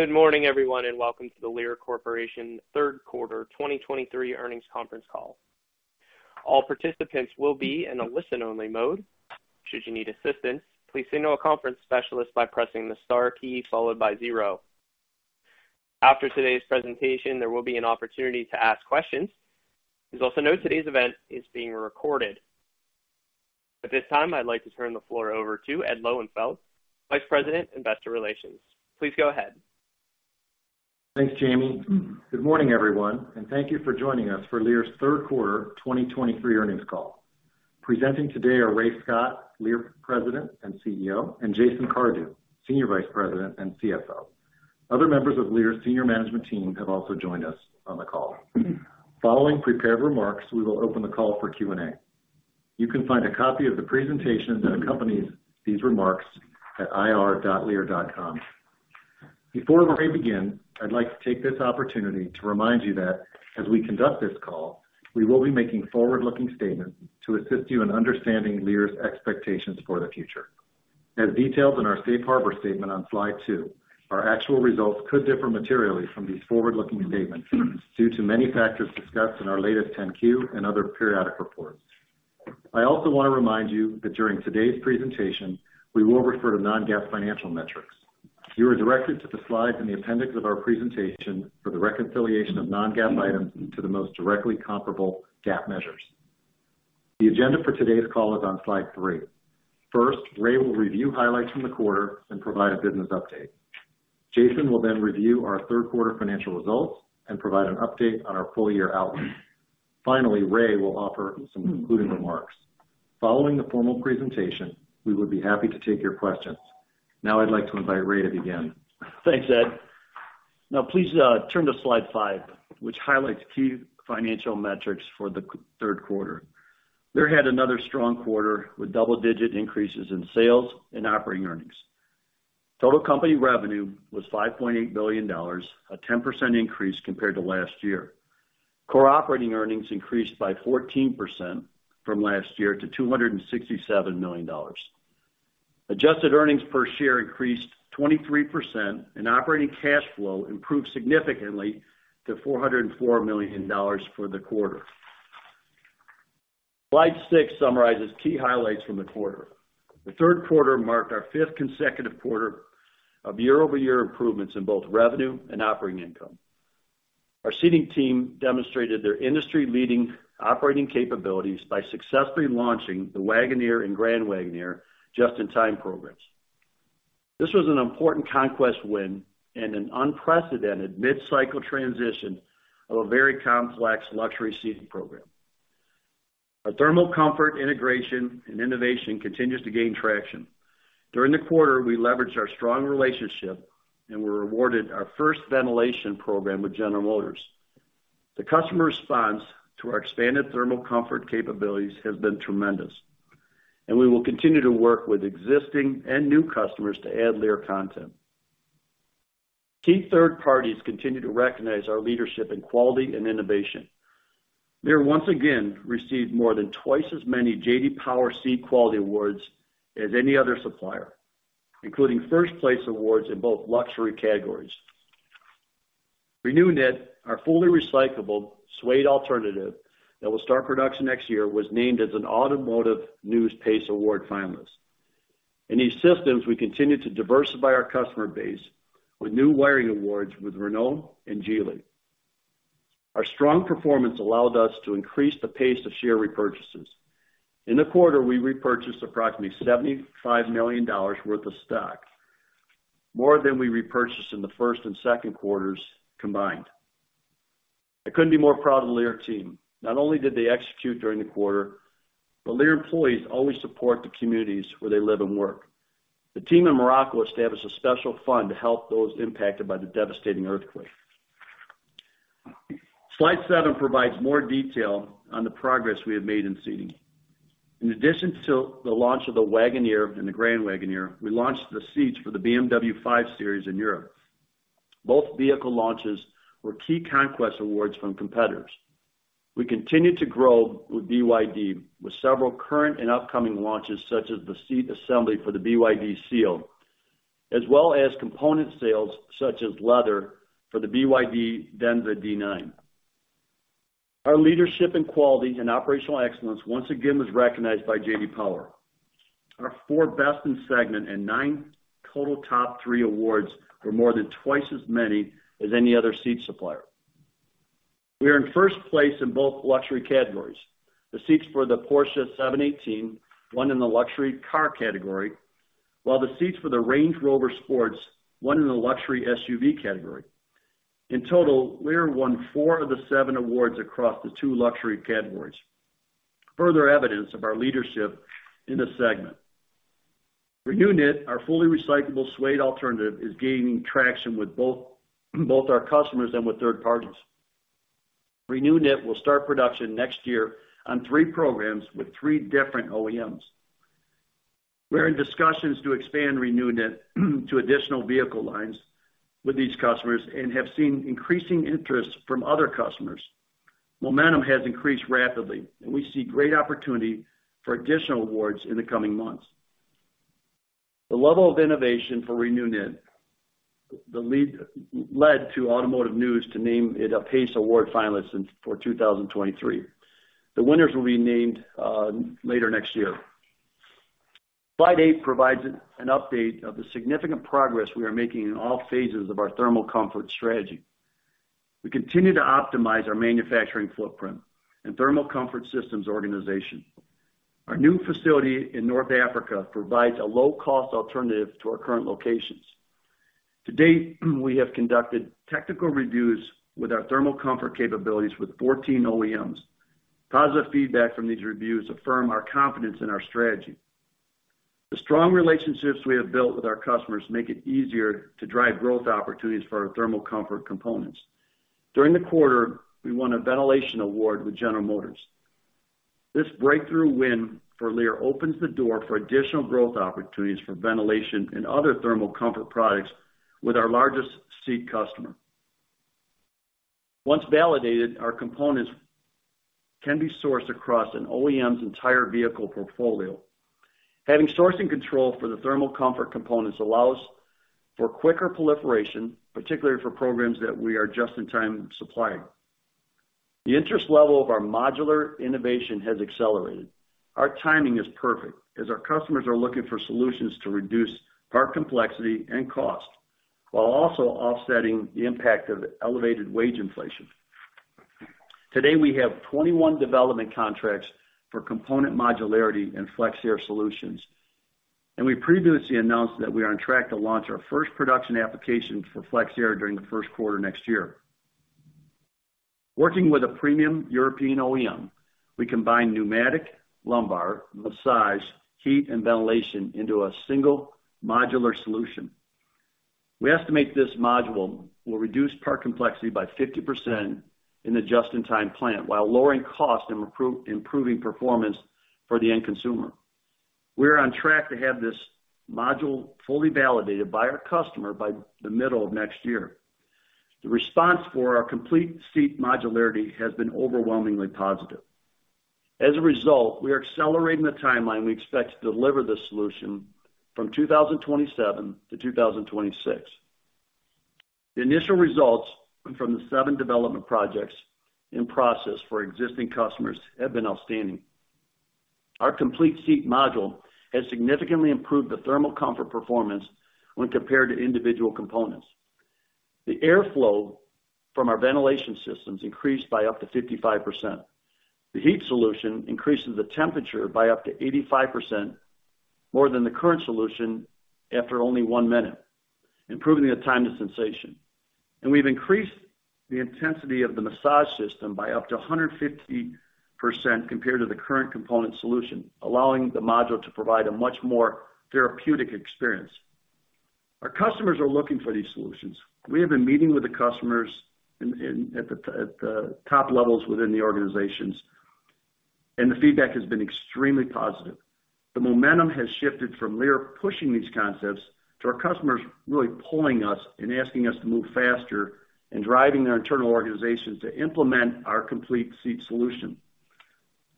Good morning, everyone, and welcome to the Lear Corporation Q3 2023 Earnings Conference Call. All participants will be in a listen-only mode. Should you need assistance, please signal a conference specialist by pressing the Star key followed by 0. After today's presentation, there will be an opportunity to ask questions. Please also note today's event is being recorded. At this time, I'd like to turn the floor over to Ed Lowenfeld, Vice President, Investor Relations. Please go ahead. Thanks, Jamie. Good morning, everyone, and thank you for joining us for Lear's Q3 2023 earnings call. Presenting today are Ray Scott, Lear President and CEO, and Jason Cardew, Senior Vice President and CFO. Other members of Lear's senior management team have also joined us on the call. Following prepared remarks, we will open the call for Q&A. You can find a copy of the presentation that accompanies these remarks at ir.lear.com. Before Ray begins, I'd like to take this opportunity to remind you that as we conduct this call, we will be making forward-looking statements to assist you in understanding Lear's expectations for the future. As detailed in our Safe Harbor statement on slide 2, our actual results could differ materially from these forward-looking statements due to many factors discussed in our latest 10-Q and other periodic reports. I also want to remind you that during today's presentation, we will refer to non-GAAP financial metrics. You are directed to the slide in the appendix of our presentation for the reconciliation of non-GAAP items to the most directly comparable GAAP measures. The agenda for today's call is on slide 3. First, Ray will review highlights from the quarter and provide a business update. Jason will then review our third quarter financial results and provide an update on our full-year outlook. Finally, Ray will offer some concluding remarks. Following the formal presentation, we would be happy to take your questions. Now I'd like to invite Ray to begin. Thanks, Ed. Now, please, turn to slide 5, which highlights key financial metrics for the third quarter. Lear had another strong quarter, with double-digit increases in sales and operating earnings. Total company revenue was $5.8 billion, a 10% increase compared to last year. Core operating earnings increased by 14% from last year to $267 million. Adjusted earnings per share increased 23%, and operating cash flow improved significantly to $404 million for the quarter. Slide 6 summarizes key highlights from the quarter. The third quarter marked our fifth consecutive quarter of year-over-year improvements in both revenue and operating income. Our seating team demonstrated their industry-leading operating capabilities by successfully launching the Wagoneer and Grand Wagoneer Just-in-Time programs. This was an important conquest win and an unprecedented mid-cycle transition of a very complex luxury seating program. Our thermal comfort, integration, and innovation continues to gain traction. During the quarter, we leveraged our strong relationship and were awarded our first ventilation program with General Motors. The customer response to our expanded thermal comfort capabilities has been tremendous, and we will continue to work with existing and new customers to add Lear content. Key third parties continue to recognize our leadership in quality and innovation. Lear, once again, received more than twice as many J.D. Power Seat Quality Awards as any other supplier, including first-place awards in both luxury categories. ReNewKnit, our fully recyclable suede alternative that will start production next year, was named as an Automotive News PACE Award finalist. In E-systems, we continue to diversify our customer base with new wiring awards with Renault and Geely. Our strong performance allowed us to increase the pace of share repurchases. In the quarter, we repurchased approximately $75 million worth of stock, more than we repurchased in the first and second quarters combined. I couldn't be more proud of the Lear team. Not only did they execute during the quarter, but Lear employees always support the communities where they live and work. The team in Morocco established a special fund to help those impacted by the devastating earthquake. Slide 7 provides more detail on the progress we have made in Seating. In addition to the launch of the Wagoneer and the Grand Wagoneer, we launched the seats for the BMW 5 Series in Europe. Both vehicle launches were key conquest awards from competitors. We continued to grow with BYD, with several current and upcoming launches, such as the seat assembly for the BYD Seal, as well as component sales, such as leather for the BYD Denza D9. Our leadership in quality and operational excellence once again was recognized by J.D. Power. Our 4 best in segment and 9 total top three awards were more than twice as many as any other seat supplier. We are in first place in both luxury categories. The seats for the Porsche 718 won in the luxury car category, while the seats for the Range Rover Sport won in the luxury SUV category. In total, Lear won 4 of the 7 awards across the two luxury categories. Further evidence of our leadership in this segment. ReNewKnit, our fully recyclable suede alternative, is gaining traction with both our customers and with third parties. ReNewKnit will start production next year on 3 programs with 3 different OEMs. We're in discussions to expand ReNewKnit to additional vehicle lines with these customers and have seen increasing interest from other customers. Momentum has increased rapidly, and we see great opportunity for additional awards in the coming months. The level of innovation for ReNewKnit, led to Automotive News to name it a PACE Award finalist in 2023. The winners will be named later next year. Slide 8 provides an update of the significant progress we are making in all phases of our thermal comfort strategy. We continue to optimize our manufacturing footprint and thermal comfort systems organization. Our new facility in North Africa provides a low-cost alternative to our current locations. To date, we have conducted technical reviews with our thermal comfort capabilities with 14 OEMs. Positive feedback from these reviews affirm our confidence in our strategy. The strong relationships we have built with our customers make it easier to drive growth opportunities for our thermal comfort components. During the quarter, we won a ventilation award with General Motors. This breakthrough win for Lear opens the door for additional growth opportunities for ventilation and other thermal comfort products with our largest seat customer. Once validated, our components can be sourced across an OEM's entire vehicle portfolio. Having sourcing control for the thermal comfort components allows for quicker proliferation, particularly for programs that we are just-in-time supplying. The interest level of our modular innovation has accelerated. Our timing is perfect as our customers are looking for solutions to reduce part complexity and cost, while also offsetting the impact of elevated wage inflation. Today, we have 21 development contracts for component modularity and FlexAir solutions, and we previously announced that we are on track to launch our first production application for FlexAir during the first quarter next year. Working with a premium European OEM, we combine pneumatic, lumbar, massage, heat, and ventilation into a single modular solution. We estimate this module will reduce part complexity by 50% in the Just-in-Time plant, while lowering cost and improving performance for the end consumer. We're on track to have this module fully validated by our customer by the middle of next year. The response for our complete seat modularity has been overwhelmingly positive. As a result, we are accelerating the timeline we expect to deliver this solution from 2027 to 2026. The initial results from the seven development projects in process for existing customers have been outstanding. Our complete seat module has significantly improved the thermal comfort performance when compared to individual components. The airflow from our ventilation systems increased by up to 55%. The heat solution increases the temperature by up to 85% more than the current solution after only 1 minute, improving the time to sensation. We've increased the intensity of the massage system by up to 150% compared to the current component solution, allowing the module to provide a much more therapeutic experience. Our customers are looking for these solutions. We have been meeting with the customers in at the top levels within the organizations, and the feedback has been extremely positive. The momentum has shifted from Lear pushing these concepts to our customers really pulling us and asking us to move faster and driving their internal organizations to implement our complete seat solution.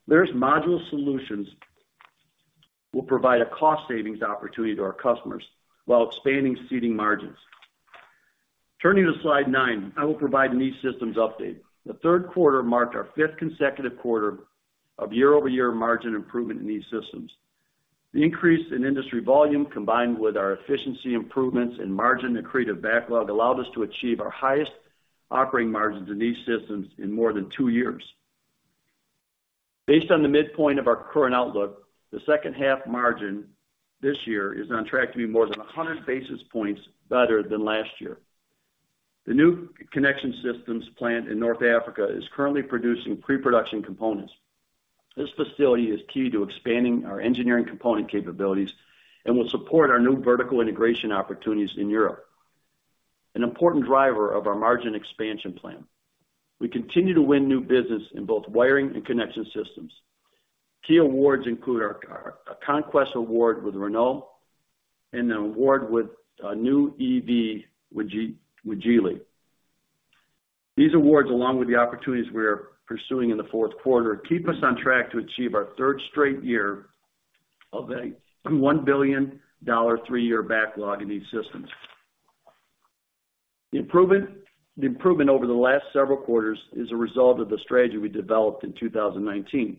Lear's modular solutions will provide a cost savings opportunity to our customers while expanding seating margins. Turning to slide 9, I will provide an E-Systems update. The third quarter marked our fifth consecutive quarter of year-over-year margin improvement in E-Systems. The increase in industry volume, combined with our efficiency improvements and margin accretive backlog, allowed us to achieve our highest operating margins in E-Systems in more than two years. Based on the midpoint of our current outlook, the second half margin this year is on track to be more than 100 basis points better than last year. The new Connection Systems plant in North Africa is currently producing pre-production components. This facility is key to expanding our engineering component capabilities and will support our new vertical integration opportunities in Europe, an important driver of our margin expansion plan. We continue to win new business in both wiring and connection systems. Key awards include a conquest award with Renault and an award with a new EV with Geely. These awards, along with the opportunities we are pursuing in the fourth quarter, keep us on track to achieve our third straight year of a $1 billion three-year backlog in E-Systems. The improvement over the last several quarters is a result of the strategy we developed in 2019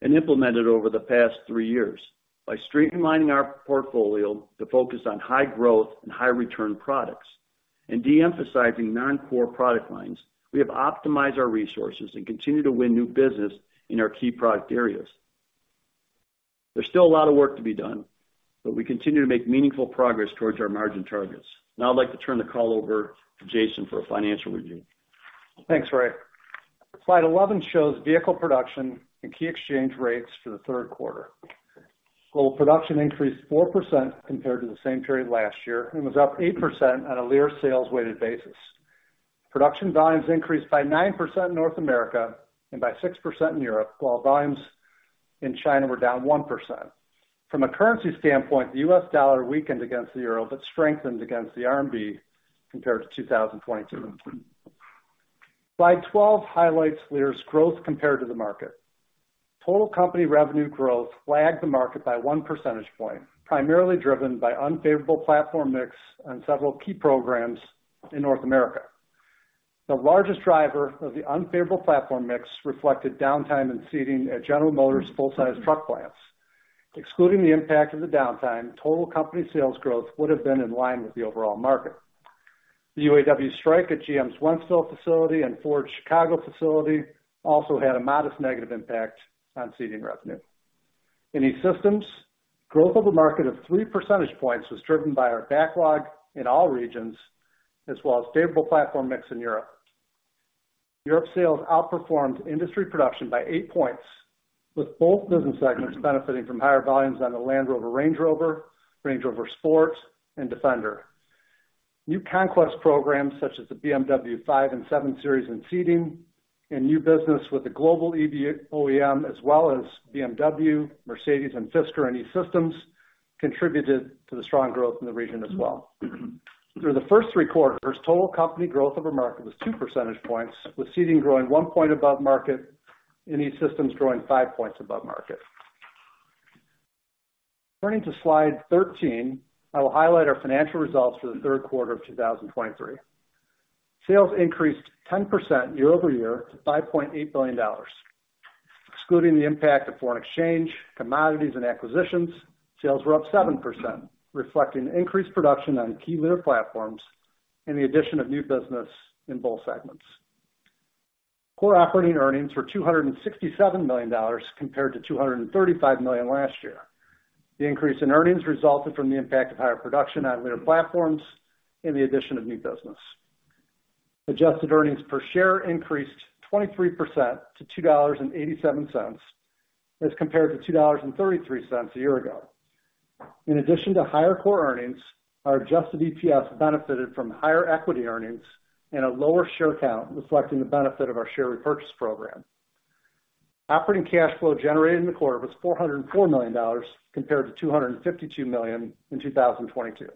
and implemented over the past three years. By streamlining our portfolio to focus on high growth and high return products and de-emphasizing non-core product lines, we have optimized our resources and continue to win new business in our key product areas. There's still a lot of work to be done, but we continue to make meaningful progress towards our margin targets. Now, I'd like to turn the call over to Jason for a financial review. Thanks, Ray. Slide 11 shows vehicle production and key exchange rates for the third quarter. Global production increased 4% compared to the same period last year and was up 8% on a Lear sales weighted basis. Production volumes increased by 9% in North America and by 6% in Europe, while volumes in China were down 1%. From a currency standpoint, the U.S. dollar weakened against the euro, but strengthened against the RMB compared to 2022. Slide 12 highlights Lear's growth compared to the market. Total company revenue growth lagged the market by 1 percentage point, primarily driven by unfavorable platform mix on several key programs in North America. The largest driver of the unfavorable platform mix reflected downtime in seating at General Motors full-size truck plants. Excluding the impact of the downtime, total company sales growth would have been in line with the overall market. The UAW strike at GM's Wentzville facility and Ford's Chicago facility also had a modest negative impact on Seating revenue. In E-Systems, growth of the market of 3 percentage points was driven by our backlog in all regions, as well as favorable platform mix in Europe. Europe sales outperformed industry production by 8 points, with both business segments benefiting from higher volumes on the Land Rover, Range Rover, Range Rover Sport, and Defender. New conquest programs such as the BMW 5 Series and 7 Series in Seating and new business with the global EV OEM, as well as BMW, Mercedes-Benz, and Fisker, and E-Systems, contributed to the strong growth in the region as well. Through the first three quarters, total company growth over market was 2 percentage points, with Seating growing 1 point above market, and E-Systems growing 5 points above market. Turning to Slide 13, I will highlight our financial results for the third quarter of 2023. Sales increased 10% year-over-year to $5.8 billion. Excluding the impact of foreign exchange, commodities, and acquisitions, sales were up 7%, reflecting increased production on key Lear platforms and the addition of new business in both segments. Core operating earnings were $267 million compared to $235 million last year. The increase in earnings resulted from the impact of higher production on Lear platforms and the addition of new business. Adjusted earnings per share increased 23% to $2.87, as compared to $2.33 a year ago. In addition to higher core earnings, our adjusted EPS benefited from higher equity earnings and a lower share count, reflecting the benefit of our share repurchase program. Operating cash flow generated in the quarter was $404 million, compared to $252 million in 2022.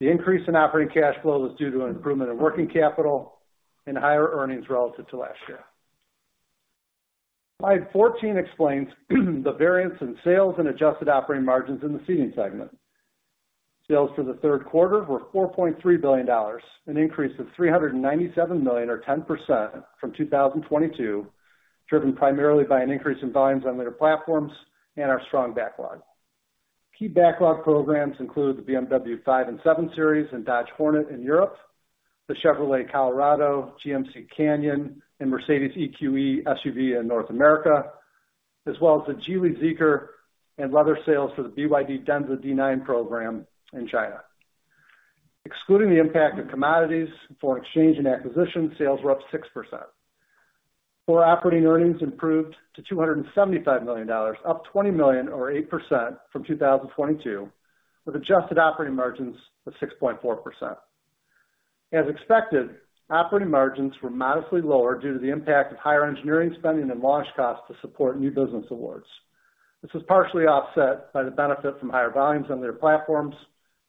The increase in operating cash flow was due to an improvement in working capital and higher earnings relative to last year. Slide 14 explains the variance in sales and adjusted operating margins in the Seating segment. Sales for the third quarter were $4.3 billion, an increase of $397 million or 10% from 2022, driven primarily by an increase in volumes on Lear platforms and our strong backlog. Key backlog programs include the BMW 5 Series and 7 Series and Dodge Hornet in Europe, the Chevrolet Colorado, GMC Canyon, and Mercedes EQE SUV in North America, as well as the Geely Zeekr and leather sales for the BYD Denza D9 program in China. Excluding the impact of commodities, foreign exchange, and acquisition, sales were up 6%. Core operating earnings improved to $275 million, up $20 million or 8% from 2022, with adjusted operating margins of 6.4%. As expected, operating margins were modestly lower due to the impact of higher engineering spending and launch costs to support new business awards. This was partially offset by the benefit from higher volumes on their platforms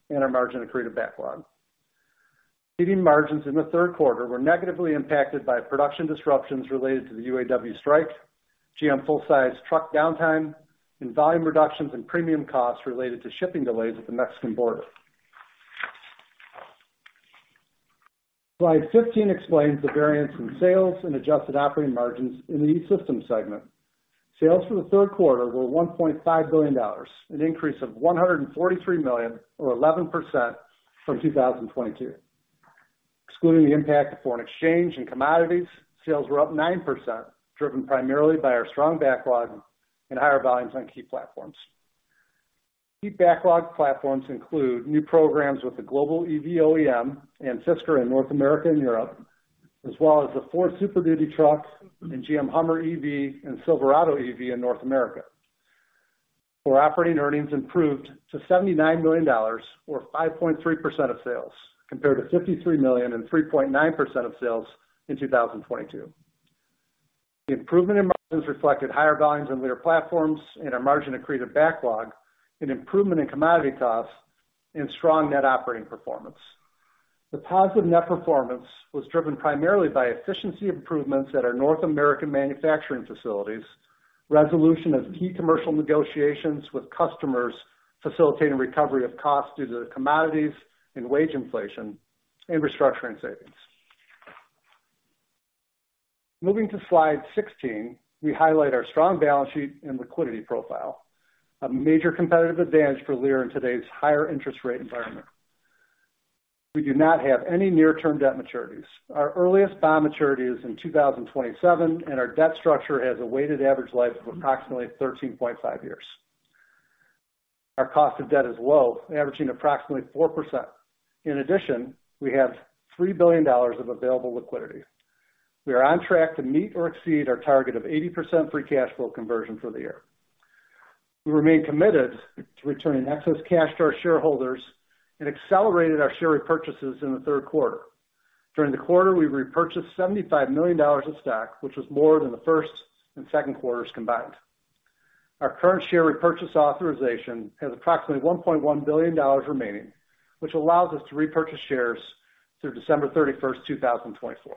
and our margin accretive backlog. Seating margins in the third quarter were negatively impacted by production disruptions related to the UAW strike, GM full-size truck downtime, and volume reductions and premium costs related to shipping delays at the Mexican border. Slide 15 explains the variance in sales and adjusted operating margins in the E-Systems segment. Sales for the third quarter were $1.5 billion, an increase of $143 million or 11% from 2022. Excluding the impact of foreign exchange and commodities, sales were up 9%, driven primarily by our strong backlog and higher volumes on key platforms. Key backlog platforms include new programs with the global EV OEM and Fisker in North America and Europe, as well as the Ford Super Duty truck and GM Hummer EV and Silverado EV in North America, where operating earnings improved to $79 million or 5.3% of sales, compared to $53 million and 3.9% of sales in 2022. The improvement in margins reflected higher volumes on Lear platforms and our margin accretive backlog, an improvement in commodity costs and strong net operating performance. The positive net performance was driven primarily by efficiency improvements at our North American manufacturing facilities, resolution of key commercial negotiations with customers, facilitating recovery of costs due to commodities and wage inflation and restructuring savings. Moving to Slide 16, we highlight our strong balance sheet and liquidity profile, a major competitive advantage for Lear in today's higher interest rate environment. We do not have any near-term debt maturities. Our earliest bond maturity is in 2027, and our debt structure has a weighted average life of approximately 13.5 years. Our cost of debt is low, averaging approximately 4%. In addition, we have $3 billion of available liquidity. We are on track to meet or exceed our target of 80% free cash flow conversion for the year.... We remain committed to returning excess cash to our shareholders and accelerated our share repurchases in the third quarter. During the quarter, we repurchased $75 million of stock, which was more than the first and second quarters combined. Our current share repurchase authorization has approximately $1.1 billion remaining, which allows us to repurchase shares through December 31, 2024.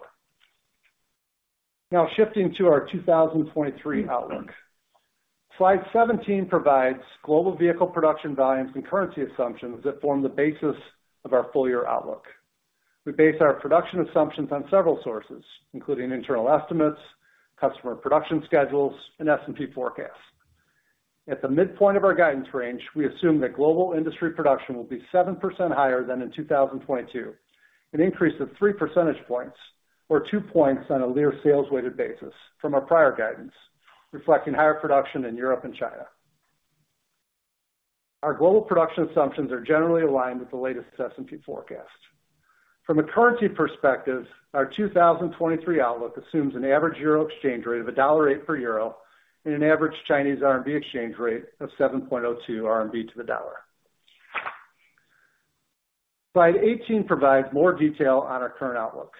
Now, shifting to our 2023 outlook. Slide 17 provides global vehicle production volumes and currency assumptions that form the basis of our full-year outlook. We base our production assumptions on several sources, including internal estimates, customer production schedules, and S&P forecasts. At the midpoint of our guidance range, we assume that global industry production will be 7% higher than in 2022, an increase of three percentage points or 2 points on a Lear sales-weighted basis from our prior guidance, reflecting higher production in Europe and China. Our global production assumptions are generally aligned with the latest S&P forecast. From a currency perspective, our 2023 outlook assumes an average euro exchange rate of $1.08 per euro and an average Chinese RMB exchange rate of 7.02 RMB to the dollar. Slide 18 provides more detail on our current outlook.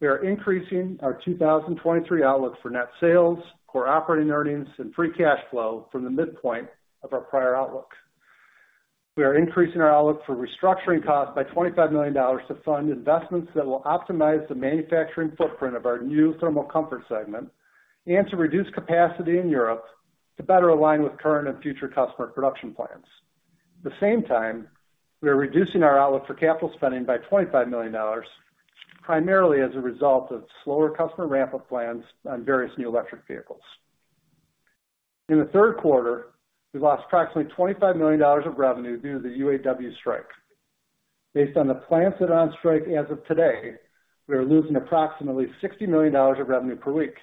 We are increasing our 2023 outlook for net sales, Core Operating Earnings, and Free Cash Flow from the midpoint of our prior outlook. We are increasing our outlook for restructuring costs by $25 million to fund investments that will optimize the manufacturing footprint of our new Thermal Comfort Systems segment and to reduce capacity in Europe to better align with current and future customer production plans. At the same time, we are reducing our outlook for capital spending by $25 million, primarily as a result of slower customer ramp-up plans on various new electric vehicles. In the third quarter, we lost approximately $25 million of revenue due to the UAW strike. Based on the plants that are on strike as of today, we are losing approximately $60 million of revenue per week.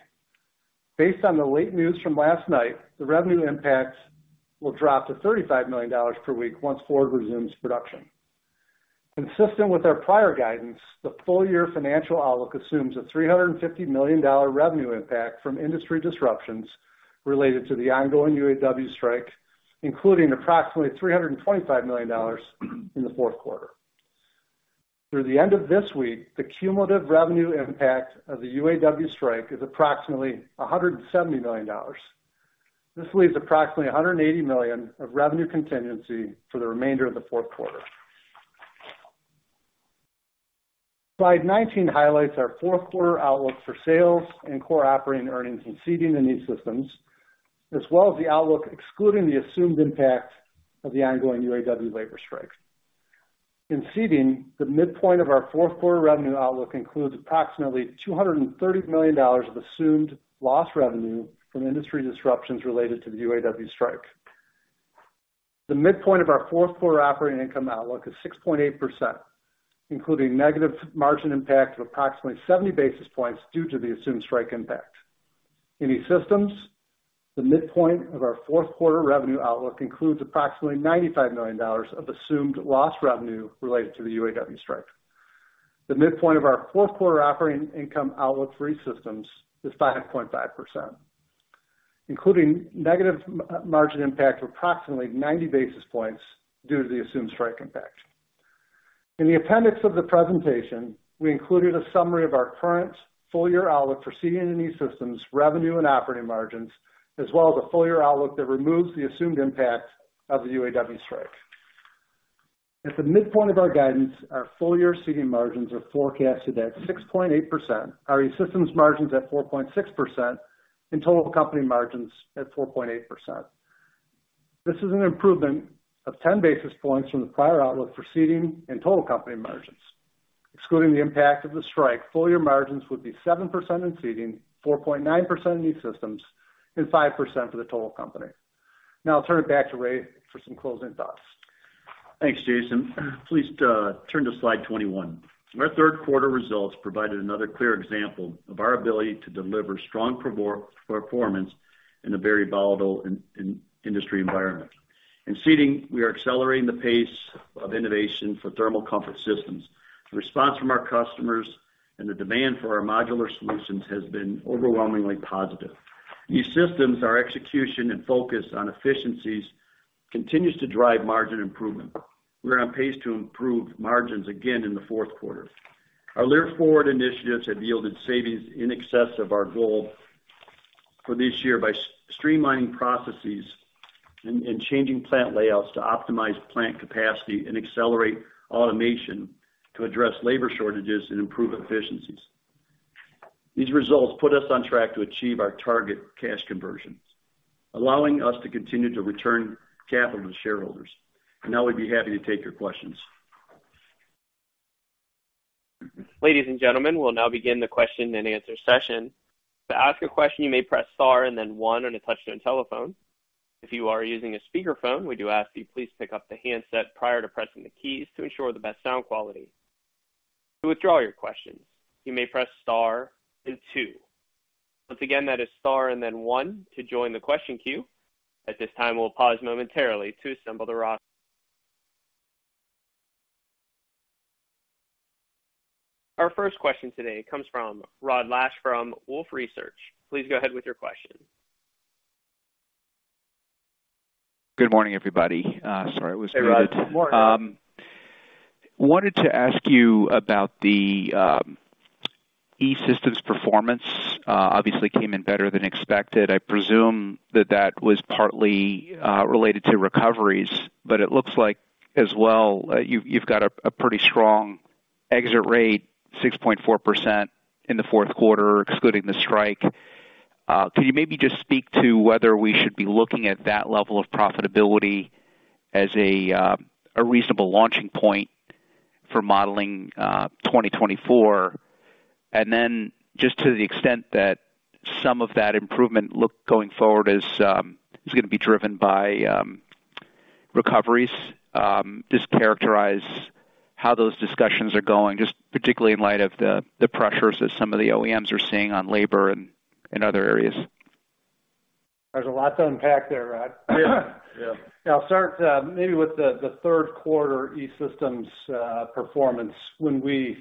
Based on the late news from last night, the revenue impacts will drop to $35 million per week once Ford resumes production. Consistent with our prior guidance, the full-year financial outlook assumes a $350 million revenue impact from industry disruptions related to the ongoing UAW strike, including approximately $325 million in the fourth quarter. Through the end of this week, the cumulative revenue impact of the UAW strike is approximately $170 million. This leaves approximately $180 million of revenue contingency for the remainder of the fourth quarter. Slide 19 highlights our fourth quarter outlook for sales and core operating earnings in Seating and E-Systems, as well as the outlook excluding the assumed impact of the ongoing UAW labor strike. In Seating, the midpoint of our fourth quarter revenue outlook includes approximately $230 million of assumed lost revenue from industry disruptions related to the UAW strike. The midpoint of our fourth quarter operating income outlook is 6.8%, including negative margin impact of approximately 70 basis points due to the assumed strike impact. In E-Systems, the midpoint of our fourth quarter revenue outlook includes approximately $95 million of assumed lost revenue related to the UAW strike. The midpoint of our fourth quarter operating income outlook for E-Systems is 5.5, including negative margin impact of approximately 90 basis points due to the assumed strike impact. In the appendix of the presentation, we included a summary of our current full-year outlook for Seating and E-Systems revenue and operating margins, as well as a full-year outlook that removes the assumed impact of the UAW strike. At the midpoint of our guidance, our full-year Seating margins are forecasted at 6.8%, our E-Systems margins at 4.6%, and total company margins at 4.8%. This is an improvement of 10 basis points from the prior outlook for Seating and total company margins. Excluding the impact of the strike, full-year margins would be 7% in Seating, 4.9% in E-Systems, and 5% for the total company. Now I'll turn it back to Ray for some closing thoughts. Thanks, Jason. Please, turn to slide 21. Our third quarter results provided another clear example of our ability to deliver strong performance in a very volatile industry environment. In Seating, we are accelerating the pace of innovation for thermal comfort systems. The response from our customers and the demand for our modular solutions has been overwhelmingly positive. E-Systems, our execution and focus on efficiencies continues to drive margin improvement. We're on pace to improve margins again in the fourth quarter. Our Lear Forward initiatives have yielded savings in excess of our goal for this year by streamlining processes and changing plant layouts to optimize plant capacity and accelerate automation to address labor shortages and improve efficiencies. These results put us on track to achieve our target cash conversions, allowing us to continue to return capital to shareholders. And now we'd be happy to take your questions. Ladies and gentlemen, we'll now begin the question-and-answer session. To ask a question, you may press star and then one on a touch-tone telephone. If you are using a speakerphone, we do ask that you please pick up the handset prior to pressing the keys to ensure the best sound quality. To withdraw your questions, you may press star and two. Once again, that is star and then one to join the question queue. At this time, we'll pause momentarily to assemble the roster ...Our first question today comes from Rod Lache from Wolfe Research. Please go ahead with your question. Good morning, everybody. Sorry, it was muted. Hey, Rod. Good morning. Wanted to ask you about the E-Systems performance, obviously came in better than expected. I presume that that was partly related to recoveries, but it looks like as well, you've got a pretty strong exit rate, 6.4% in the fourth quarter, excluding the strike. Can you maybe just speak to whether we should be looking at that level of profitability as a reasonable launching point for modeling 2024? And then just to the extent that some of that improvement look going forward is gonna be driven by recoveries, just characterize how those discussions are going, just particularly in light of the pressures that some of the OEMs are seeing on labor and in other areas. There's a lot to unpack there, Rod. Yeah. Yeah. I'll start, maybe with the third quarter E-Systems performance. When we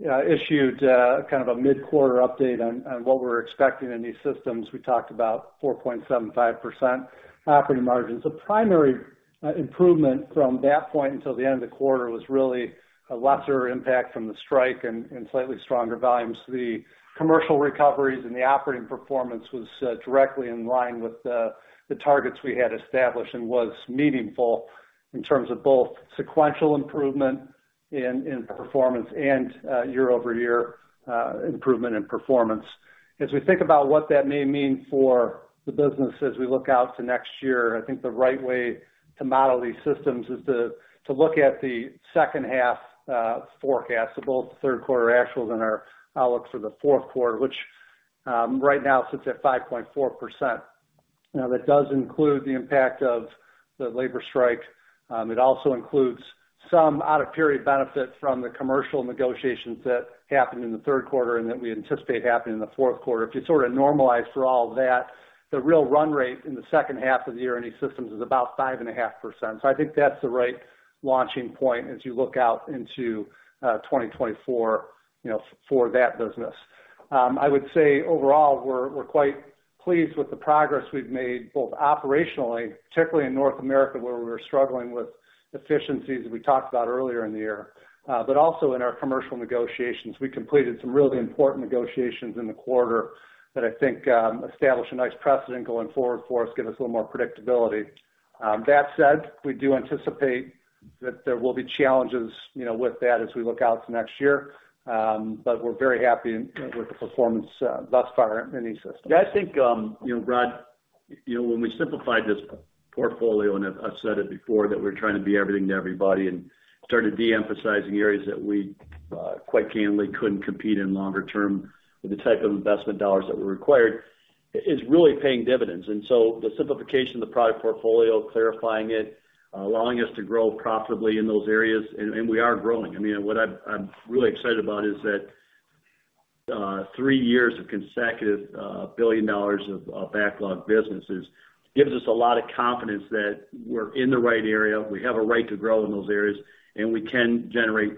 issued kind of a mid-quarter update on what we were expecting in E-Systems, we talked about 4.75% operating margins. The primary improvement from that point until the end of the quarter was really a lesser impact from the strike and slightly stronger volumes. The commercial recoveries and the operating performance was directly in line with the targets we had established and was meaningful in terms of both sequential improvement in performance and year-over-year improvement in performance. As we think about what that may mean for the business as we look out to next year, I think the right way to model E-Systems is to look at the second half forecast of both third quarter actuals and our outlook for the fourth quarter, which right now sits at 5.4%. Now, that does include the impact of the labor strike. It also includes some out-of-period benefit from the commercial negotiations that happened in the third quarter and that we anticipate happening in the fourth quarter. If you sort of normalize for all that, the real run rate in the second half of the year in E-Systems is about 5.5%. So I think that's the right launching point as you look out into 2024, you know, for that business. I would say overall, we're quite pleased with the progress we've made, both operationally, particularly in North America, where we were struggling with efficiencies that we talked about earlier in the year, but also in our commercial negotiations. We completed some really important negotiations in the quarter that I think established a nice precedent going forward for us, give us a little more predictability. That said, we do anticipate that there will be challenges, you know, with that as we look out to next year. But we're very happy with the performance thus far in E-Systems. Yeah, I think, you know, Rod, you know, when we simplified this portfolio, and I've said it before, that we're trying to be everything to everybody and started de-emphasizing areas that we, quite candidly couldn't compete in longer term with the type of investment dollars that were required, it's really paying dividends. And so the simplification of the product portfolio, clarifying it, allowing us to grow profitably in those areas, and we are growing. I mean, what I'm really excited about is that 3 years of consecutive $1 billion of backlog businesses gives us a lot of confidence that we're in the right area, we have a right to grow in those areas, and we can generate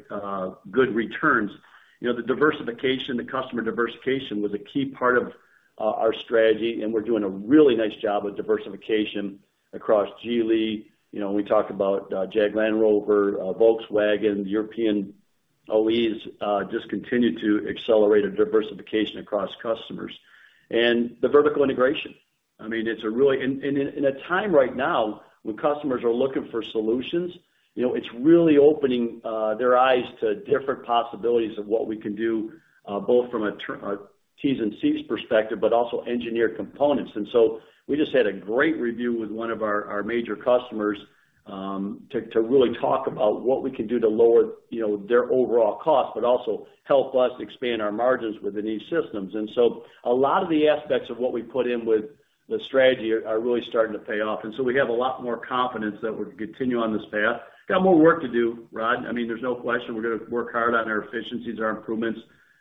good returns. You know, the diversification, the customer diversification was a key part of, our strategy, and we're doing a really nice job with diversification across Geely. You know, we talked about, Jag Land Rover, Volkswagen, European OEs, just continue to accelerate a diversification across customers. And the vertical integration, I mean, it's a really... And, and in, in a time right now, when customers are looking for solutions, you know, it's really opening, their eyes to different possibilities of what we can do, both from a T's and C's perspective, but also engineered components. And so we just had a great review with one of our major customers, to really talk about what we can do to lower, you know, their overall cost, but also help us expand our margins within E-Systems. A lot of the aspects of what we put in with the strategy are really starting to pay off. We have a lot more confidence that we're gonna continue on this path. Got more work to do, Rod. I mean, there's no question. We're gonna work hard on our efficiencies, our improvements,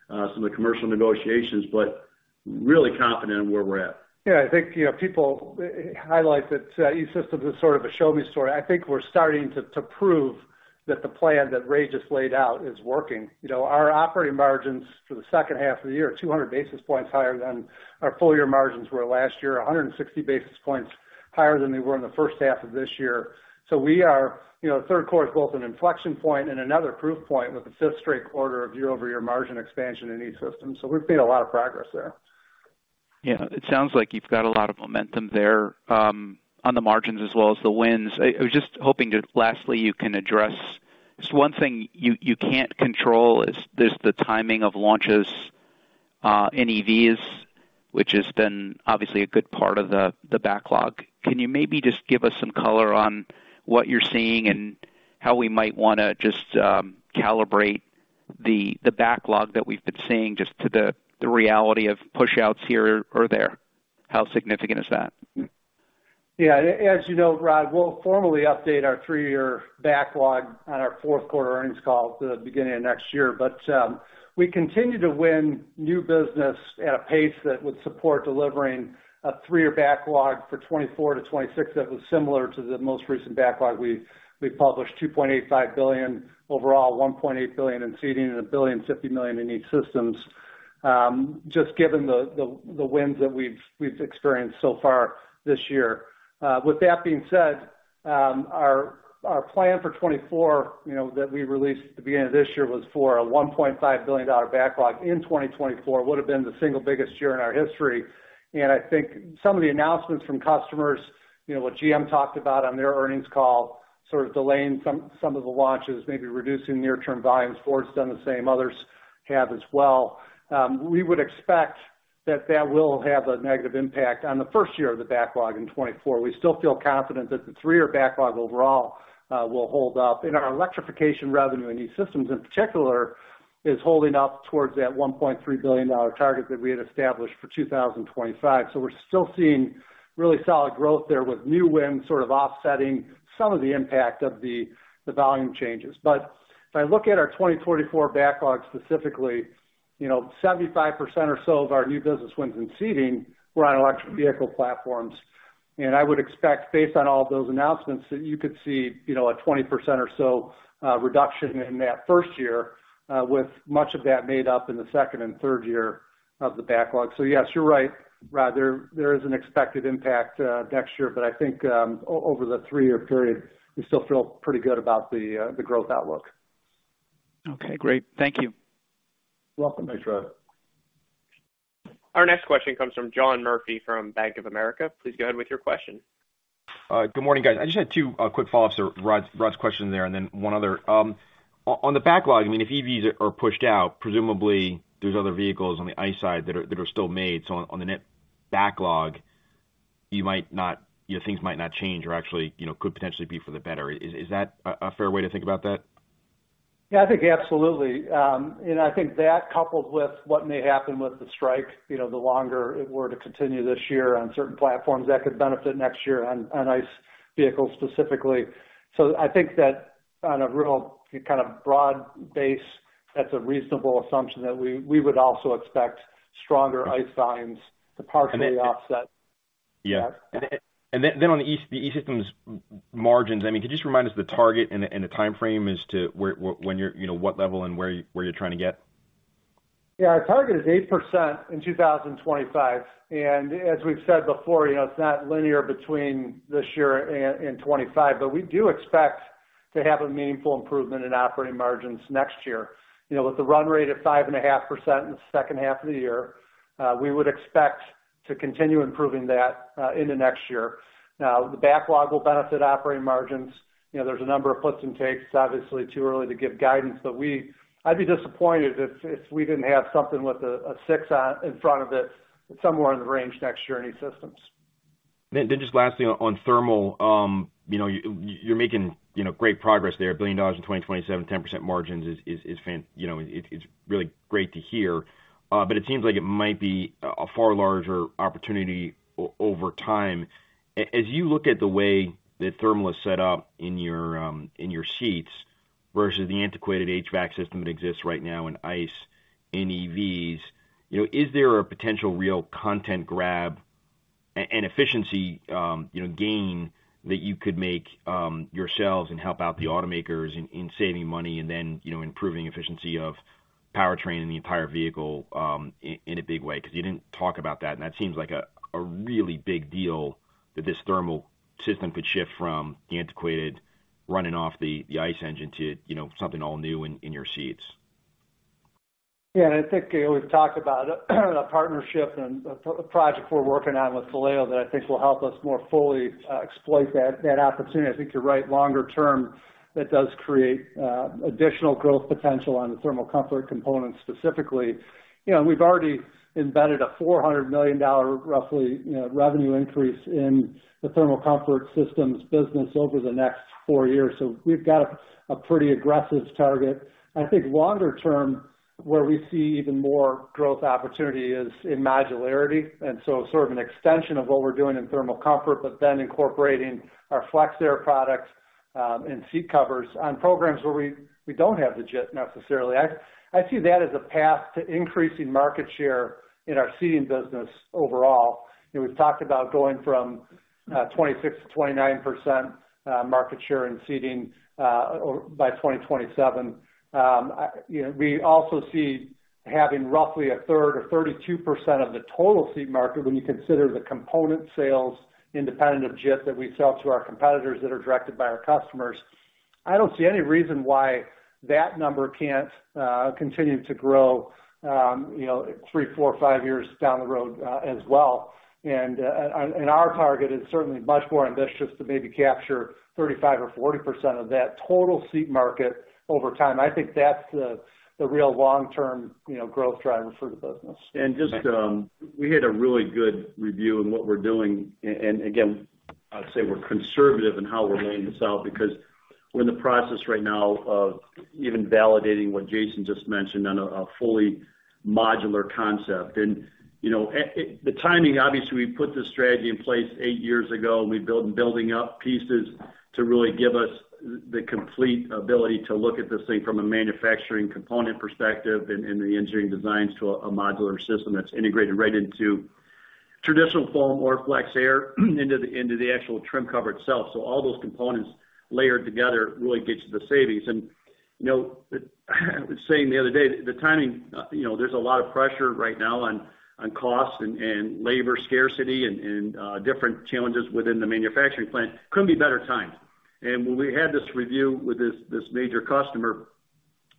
some of the commercial negotiations, but really confident in where we're at. Yeah, I think, you know, people highlight that E-Systems is sort of a show me story. I think we're starting to prove that the plan that Ray just laid out is working. You know, our operating margins for the second half of the year are 200 basis points higher than our full year margins were last year, 160 basis points higher than they were in the first half of this year. So we are, you know, third quarter is both an inflection point and another proof point, with the fifth straight quarter of year-over-year margin expansion in E-Systems. So we've made a lot of progress there. Yeah, it sounds like you've got a lot of momentum there on the margins as well as the wins. I was just hoping to lastly, you can address, so one thing you can't control is just the timing of launches in EVs, which has been obviously a good part of the backlog. Can you maybe just give us some color on what you're seeing and how we might want to just calibrate the backlog that we've been seeing just to the reality of pushouts here or there? How significant is that? Yeah. As you know, Rod, we'll formally update our three-year backlog on our fourth quarter earnings call at the beginning of next year. But we continue to win new business at a pace that would support delivering a three-year backlog for 2024-2026 that was similar to the most recent backlog we published, $2.85 billion overall, $1.8 billion in Seating and $1.05 billion in E-Systems, just given the wins that we've experienced so far this year. With that being said, our plan for 2024, you know, that we released at the beginning of this year, was for a $1.5 billion backlog in 2024, would've been the single biggest year in our history. I think some of the announcements from customers, you know, what GM talked about on their earnings call, sort of delaying some of the launches, maybe reducing near-term volumes. Ford's done the same, others have as well. We would expect that that will have a negative impact on the first year of the backlog in 2024. We still feel confident that the 3-year backlog overall will hold up, and our electrification revenue in E-Systems, in particular, is holding up towards that $1.3 billion target that we had established for 2025. So we're still seeing really solid growth there with new wins, sort of offsetting some of the impact of the volume changes. But if I look at our 2024 backlog specifically, you know, 75% or so of our new business wins in Seating were on electric vehicle platforms. I would expect, based on all of those announcements, that you could see, you know, a 20% or so reduction in that first year, with much of that made up in the second and third year of the backlog. Yes, you're right, Rod, there is an expected impact next year, but I think, over the three-year period, we still feel pretty good about the growth outlook. Okay, great. Thank you. You're welcome. Thanks, Rod. Our next question comes from John Murphy from Bank of America. Please go ahead with your question. Good morning, guys. I just had two, quick follow-ups to Rod's, Rod's question there, and then one other. On the backlog, I mean, if EVs are pushed out, presumably there's other vehicles on the ICE side that are, that are still made. So on, on the net backlog, you might not... You know, things might not change or actually, you know, could potentially be for the better. Is, is that a, a fair way to think about that? Yeah, I think absolutely. And I think that coupled with what may happen with the strike, you know, the longer it were to continue this year on certain platforms, that could benefit next year on ICE vehicles specifically. So I think that on a real, kind of broad base, that's a reasonable assumption that we would also expect stronger ICE volumes to partially offset that. Yeah. And then on the E-Systems margins, I mean, could you just remind us the target and the timeframe as to where, when you're, you know, what level and where you're trying to get? Yeah, our target is 8% in 2025, and as we've said before, you know, it's not linear between this year and 2025. But we do expect to have a meaningful improvement in operating margins next year. You know, with the run rate of 5.5% in the second half of the year, we would expect to continue improving that into next year. Now, the backlog will benefit operating margins. You know, there's a number of puts and takes, it's obviously too early to give guidance, but I'd be disappointed if we didn't have something with a 6 on, in front of it, somewhere in the range next year in E-Systems. Then just lastly on thermal. You know, you're making, you know, great progress there. $1 billion in 2027, 10% margins is fantastic, you know, it's really great to hear. But it seems like it might be a far larger opportunity over time. As you look at the way that thermal is set up in your seats versus the antiquated HVAC system that exists right now in ICE and EVs, you know, is there a potential real content grab and efficiency, you know, gain that you could make yourselves and help out the automakers in saving money, and then, you know, improving efficiency of powertrain in the entire vehicle in a big way? Because you didn't talk about that, and that seems like a really big deal that this thermal system could shift from the antiquated, running off the ICE engine to, you know, something all new in your seats. Yeah, and I think, you know, we've talked about a partnership and a project we're working on with Valeo that I think will help us more fully exploit that opportunity. I think you're right, longer term, that does create additional growth potential on the thermal comfort components specifically. You know, we've already embedded a $400 million, roughly, you know, revenue increase in the thermal comfort systems business over the next four years, so we've got a pretty aggressive target. I think longer term, where we see even more growth opportunity is in modularity, and so sort of an extension of what we're doing in thermal comfort, but then incorporating our FlexAir products and seat covers on programs where we don't have the JIT necessarily. I see that as a path to increasing market share in our seating business overall. You know, we've talked about going from 26%-29% by 2027. You know, we also see having roughly a third or 32% of the total seat market when you consider the component sales independent of JIT that we sell to our competitors, that are directed by our customers. I don't see any reason why that number can't continue to grow, you know, three, four, five years down the road, as well. And our target is certainly much more ambitious to maybe capture 35% or 40% of that total seat market over time. I think that's the real long-term, you know, growth driver for the business. And just, we had a really good review on what we're doing and again, I'd say we're conservative in how we're laying this out, because we're in the process right now of even validating what Jason just mentioned on a fully modular concept. And, you know, the timing, obviously, we put this strategy in place eight years ago, and we've been building up pieces to really give us the complete ability to look at this thing from a manufacturing component perspective and the engineering designs to a modular system that's integrated right into traditional foam or FlexAir into the actual trim cover itself. So all those components layered together really gets the savings. You know, I was saying the other day, the timing, you know, there's a lot of pressure right now on costs and labor scarcity and different challenges within the manufacturing plant. Couldn't be better timed. When we had this review with this major customer,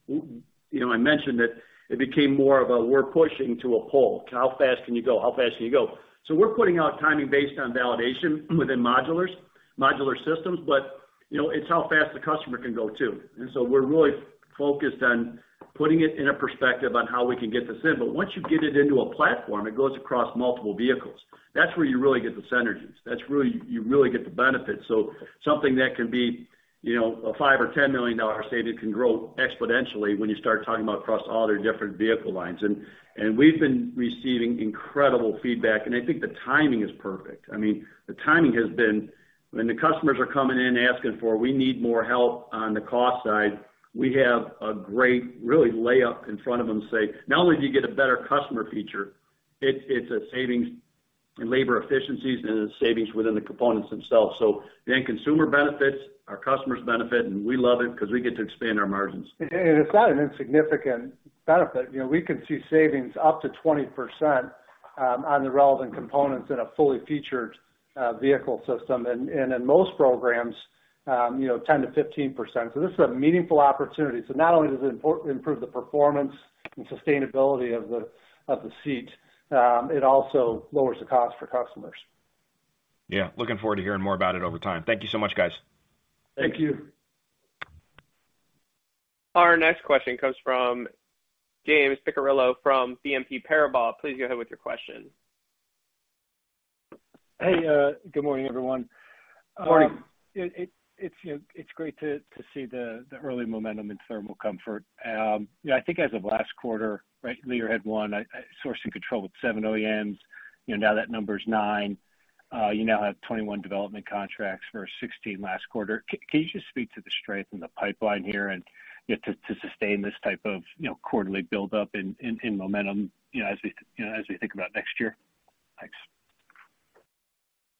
you know, I mentioned that it became more of a we're pushing to a pull. How fast can you go? How fast can you go? We're putting out timing based on validation within modulars, modular systems, but, you know, it's how fast the customer can go, too. We're really focused on putting it in a perspective on how we can get this in. But once you get it into a platform, it goes across multiple vehicles. That's where you really get the synergies. That's really, you really get the benefit. So something that can be, you know, a $5 million or $10 million saving can grow exponentially when you start talking about across all their different vehicle lines. And we've been receiving incredible feedback, and I think the timing is perfect. I mean, the timing has been... When the customers are coming in asking for, "We need more help on the cost side," we have a great really lay up in front of them and say, "Not only do you get a better customer feature, it's a savings in labor efficiencies and a savings within the components themselves." So the end consumer benefits, our customers benefit, and we love it because we get to expand our margins. It's not an insignificant benefit. You know, we can see savings up to 20% on the relevant components in a fully featured vehicle system. In most programs, you know, 10%-15%. So this is a meaningful opportunity. So not only does it improve the performance and sustainability of the seat, it also lowers the cost for customers. Yeah, looking forward to hearing more about it over time. Thank you so much, guys. Thank you. Thank you. Our next question comes from James Picariello from BNP Paribas. Please go ahead with your question. Hey, good morning, everyone. Morning. It's great to see the early momentum in thermal comfort. You know, I think as of last quarter, right, Lear had one sourcing control with 7 OEMs. You know, now that number's 9. You now have 21 development contracts versus 16 last quarter. Can you just speak to the strength in the pipeline here and, you know, to sustain this type of, you know, quarterly buildup in momentum, you know, as we think about next year? Thanks.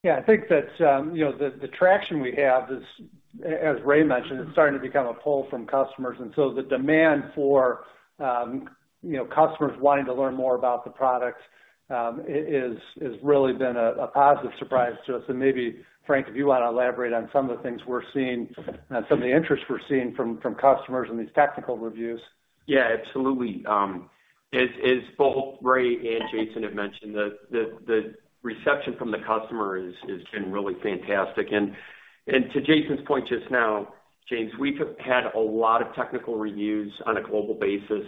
Yeah, I think that, you know, the traction we have is, as Ray mentioned, it's starting to become a pull from customers. And so the demand for, you know, customers wanting to learn more about the product, is really been a positive surprise to us. And maybe, Frank, if you want to elaborate on some of the things we're seeing, and some of the interests we're seeing from customers in these technical reviews. Yeah, absolutely. As both Ray and Jason have mentioned, the reception from the customer is has been really fantastic. And to Jason's point just now, James, we've had a lot of technical reviews on a global basis.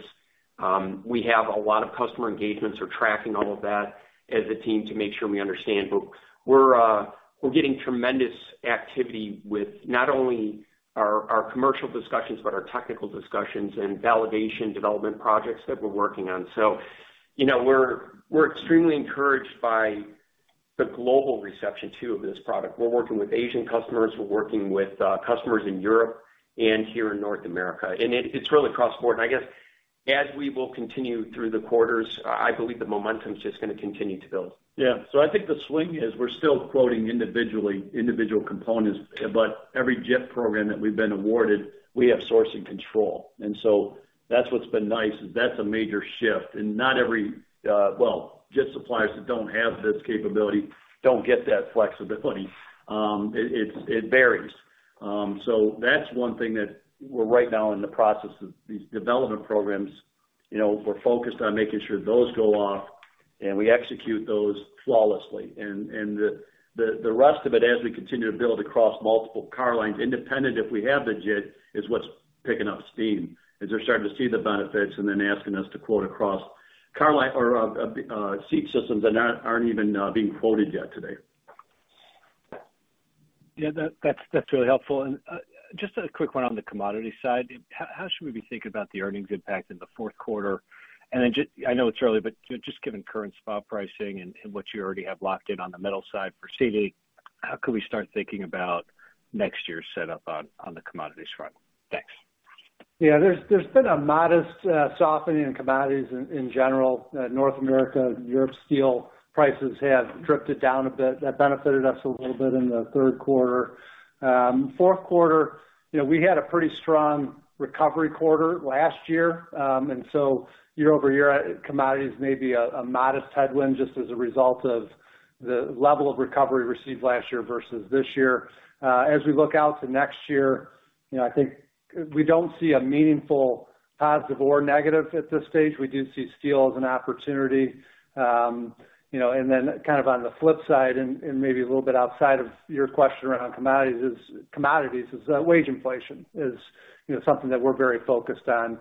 We have a lot of customer engagements. We're tracking all of that as a team to make sure we understand. But we're getting tremendous activity with not only our commercial discussions, but our technical discussions and validation development projects that we're working on. So, you know, we're extremely encouraged by the global reception, too, of this product. We're working with Asian customers, we're working with customers in Europe and here in North America, and it's really across the board. And I guess, as we will continue through the quarters, I believe the momentum is just gonna continue to build. Yeah. So I think the swing is we're still quoting individually, individual components, but every JIT program that we've been awarded, we have sourcing control. And so that's what's been nice, is that's a major shift. And not every, well, JIT suppliers that don't have this capability don't get that flexibility. It varies. So that's one thing that we're right now in the process of these development programs. You know, we're focused on making sure those go off and we execute those flawlessly. And the rest of it, as we continue to build across multiple car lines, independent, if we have the JIT, is what's picking up steam, as they're starting to see the benefits and then asking us to quote across carline or seat systems that aren't even being quoted yet today. Yeah, that's really helpful. And just a quick one on the commodity side. How should we be thinking about the earnings impact in the fourth quarter? And then I know it's early, but just given current spot pricing and what you already have locked in on the metal side for CD, how could we start thinking about next year's setup on the commodities front? Thanks. Yeah, there's been a modest softening in commodities in general. North America, Europe, steel prices have drifted down a bit. That benefited us a little bit in the third quarter. Fourth quarter, you know, we had a pretty strong recovery quarter last year. And so year over year, commodities may be a modest headwind, just as a result of the level of recovery received last year versus this year. As we look out to next year, you know, I think we don't see a meaningful positive or negative at this stage. We do see steel as an opportunity. You know, and then kind of on the flip side, and maybe a little bit outside of your question around commodities is wage inflation, you know, something that we're very focused on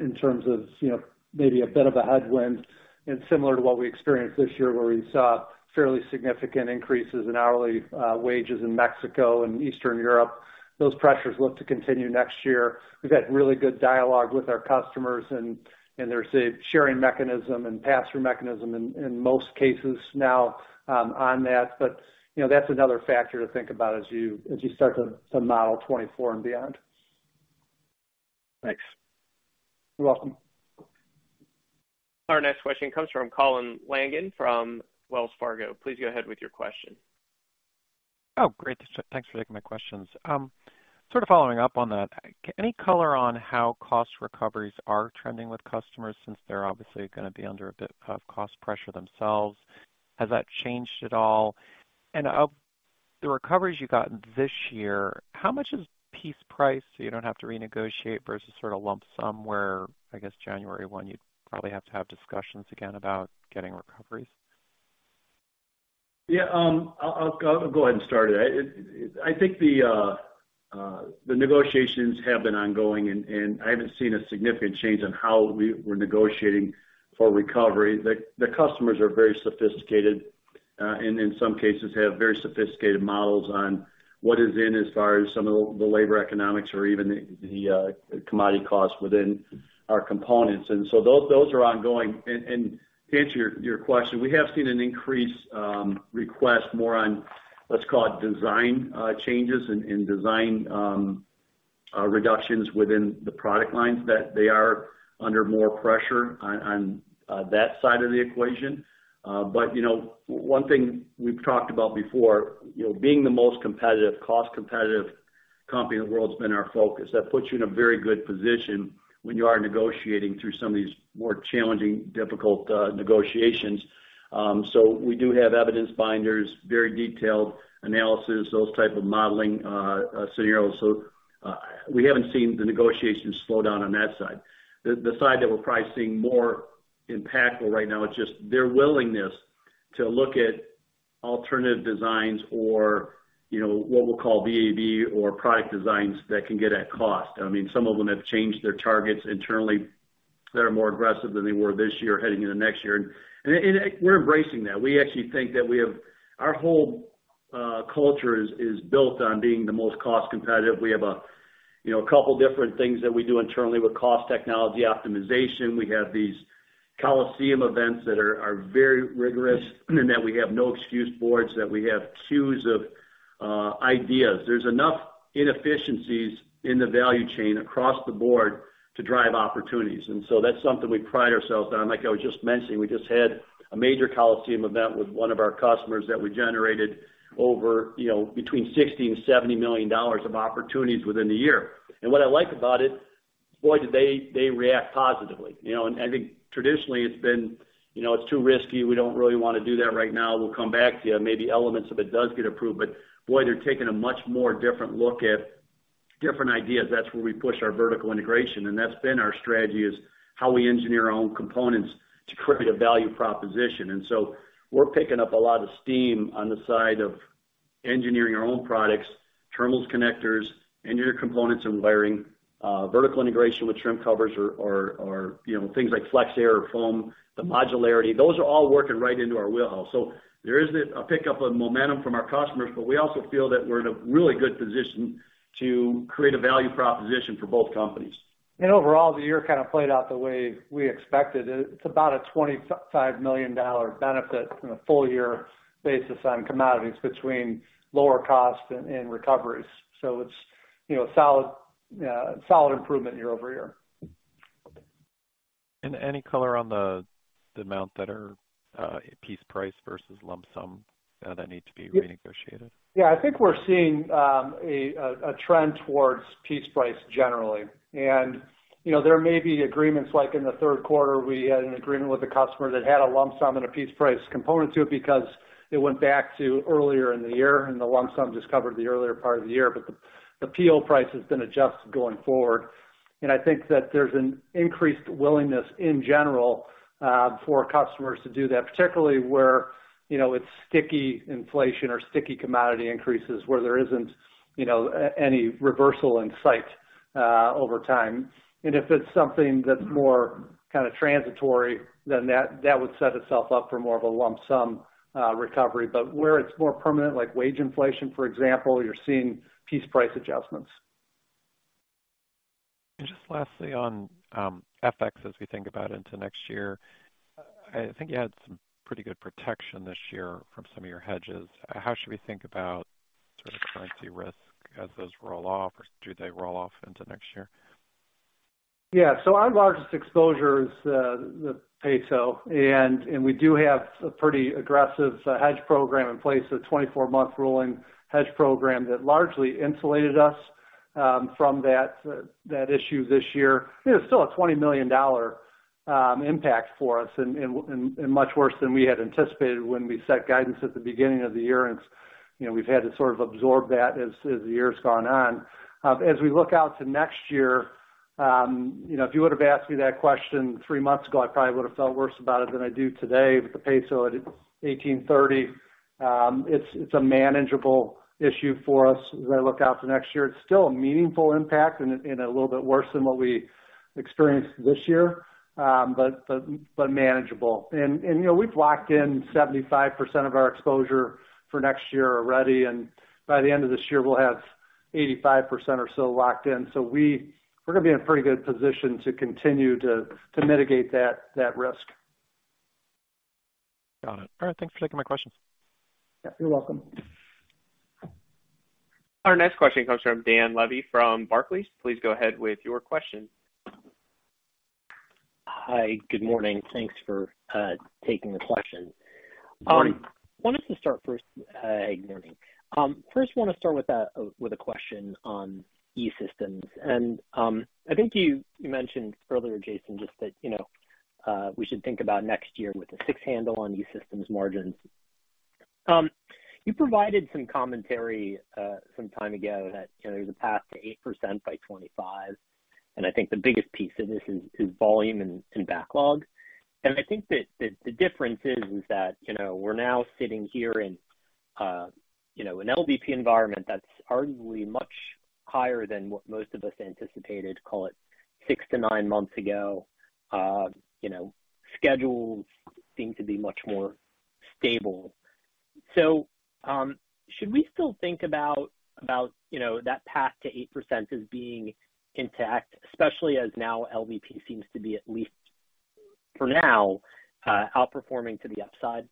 in terms of, you know, maybe a bit of a headwind. And similar to what we experienced this year, where we saw fairly significant increases in hourly wages in Mexico and Eastern Europe, those pressures look to continue next year. We've had really good dialogue with our customers, and there's a sharing mechanism and pass-through mechanism in most cases now on that. But, you know, that's another factor to think about as you start to model 2024 and beyond.... Thanks. You're welcome. Our next question comes from Colin Langan from Wells Fargo. Please go ahead with your question. Oh, great. Thanks for taking my questions. Sort of following up on that, any color on how cost recoveries are trending with customers since they're obviously going to be under a bit of cost pressure themselves? Has that changed at all? And of the recoveries you've gotten this year, how much is piece price, so you don't have to renegotiate versus sort of lump sum, where I guess January one, you'd probably have to have discussions again about getting recoveries? Yeah, I'll, I'll go ahead and start it. I, I think the negotiations have been ongoing, and I haven't seen a significant change on how we're negotiating for recovery. The customers are very sophisticated, and in some cases have very sophisticated models on what is in as far as some of the labor economics or even the commodity costs within our components. And so those are ongoing. And to answer your question, we have seen an increase, request more on, let's call it, design changes and design reductions within the product lines, that they are under more pressure on that side of the equation. But you know, one thing we've talked about before, you know, being the most competitive, cost competitive company in the world has been our focus. That puts you in a very good position when you are negotiating through some of these more challenging, difficult negotiations. So we do have evidence binders, very detailed analysis, those type of modeling, scenarios. So we haven't seen the negotiations slow down on that side. The side that we're probably seeing more impactful right now is just their willingness to look at alternative designs or, you know, what we'll call VA/VE or product designs that can get at cost. I mean, some of them have changed their targets internally, that are more aggressive than they were this year, heading into next year. And we're embracing that. We actually think that we have. Our whole culture is built on being the most cost competitive. We have a, you know, a couple different things that we do internally with Cost Technology Optimization. We have these Coliseum events that are very rigorous, and that we have no excuse boards, that we have queues of ideas. There's enough inefficiencies in the value chain across the board to drive opportunities, and so that's something we pride ourselves on. Like I was just mentioning, we just had a major Coliseum event with one of our customers that we generated over, you know, between $60 million and $70 million of opportunities within the year. And what I like about it, boy, did they react positively. You know, and I think traditionally it's been, you know, "It's too risky. We don't really want to do that right now. We'll come back to you." Maybe elements of it does get approved, but boy, they're taking a much more different look at different ideas. That's where we push our vertical integration, and that's been our strategy, is how we engineer our own components to create a value proposition. And so we're picking up a lot of steam on the side of engineering our own products, terminals, connectors, engineer components and wiring, vertical integration with trim covers or, you know, things like FlexAir or foam, the modularity. Those are all working right into our wheelhouse. So there is a pickup of momentum from our customers, but we also feel that we're in a really good position to create a value proposition for both companies. Overall, the year kind of played out the way we expected. It's about a $25 million benefit on a full year basis on commodities between lower cost and recoveries. So it's, you know, solid, solid improvement year over year. Any color on the amount that are piece price versus lump sum that need to be renegotiated? Yeah, I think we're seeing a trend towards piece price generally. And, you know, there may be agreements, like in the third quarter, we had an agreement with a customer that had a lump sum and a piece price component to it because it went back to earlier in the year, and the lump sum just covered the earlier part of the year, but the PO price has been adjusted going forward. And I think that there's an increased willingness in general for customers to do that, particularly where, you know, it's sticky inflation or sticky commodity increases, where there isn't, you know, any reversal in sight over time. And if it's something that's more kind of transitory, then that would set itself up for more of a lump sum recovery. But where it's more permanent, like wage inflation, for example, you're seeing piece price adjustments. And just lastly, on FX, as we think about into next year, I think you had some pretty good protection this year from some of your hedges. How should we think about sort of currency risk as those roll off, or do they roll off into next year? Yeah. So our largest exposure is the peso, and we do have a pretty aggressive hedge program in place, a 24-month rolling hedge program that largely insulated us from that issue this year. It is still a $20 million impact for us and much worse than we had anticipated when we set guidance at the beginning of the year. And, you know, we've had to sort of absorb that as the year's gone on. As we look out to next year, you know, if you would have asked me that question three months ago, I probably would have felt worse about it than I do today. With the peso at 18.30, it's a manageable issue for us as I look out to next year. It's still a meaningful impact and a little bit worse than what we experienced this year, but manageable. And, you know, we've locked in 75% of our exposure for next year already, and by the end of this year, we'll have 85% or so locked in. So we're going to be in a pretty good position to continue to mitigate that risk.... Got it. All right, thanks for taking my question. Yeah, you're welcome. Our next question comes from Dan Levy from Barclays. Please go ahead with your question. Hi, good morning. Thanks for taking the question. Good morning. Wanted to start first, good morning. First, want to start with a question on E-Systems. And I think you mentioned earlier, Jason, just that, you know, we should think about next year with a six handle on E-Systems margins. You provided some commentary some time ago that, you know, there's a path to 8% by 2025, and I think the biggest piece of this is volume and backlog. And I think that the difference is that, you know, we're now sitting here in, you know, an LVP environment that's arguably much higher than what most of us anticipated, call it 6-9 months ago. You know, schedules seem to be much more stable. Should we still think about, you know, that path to 8% as being intact, especially as now LVP seems to be, at least for now, outperforming to the upside?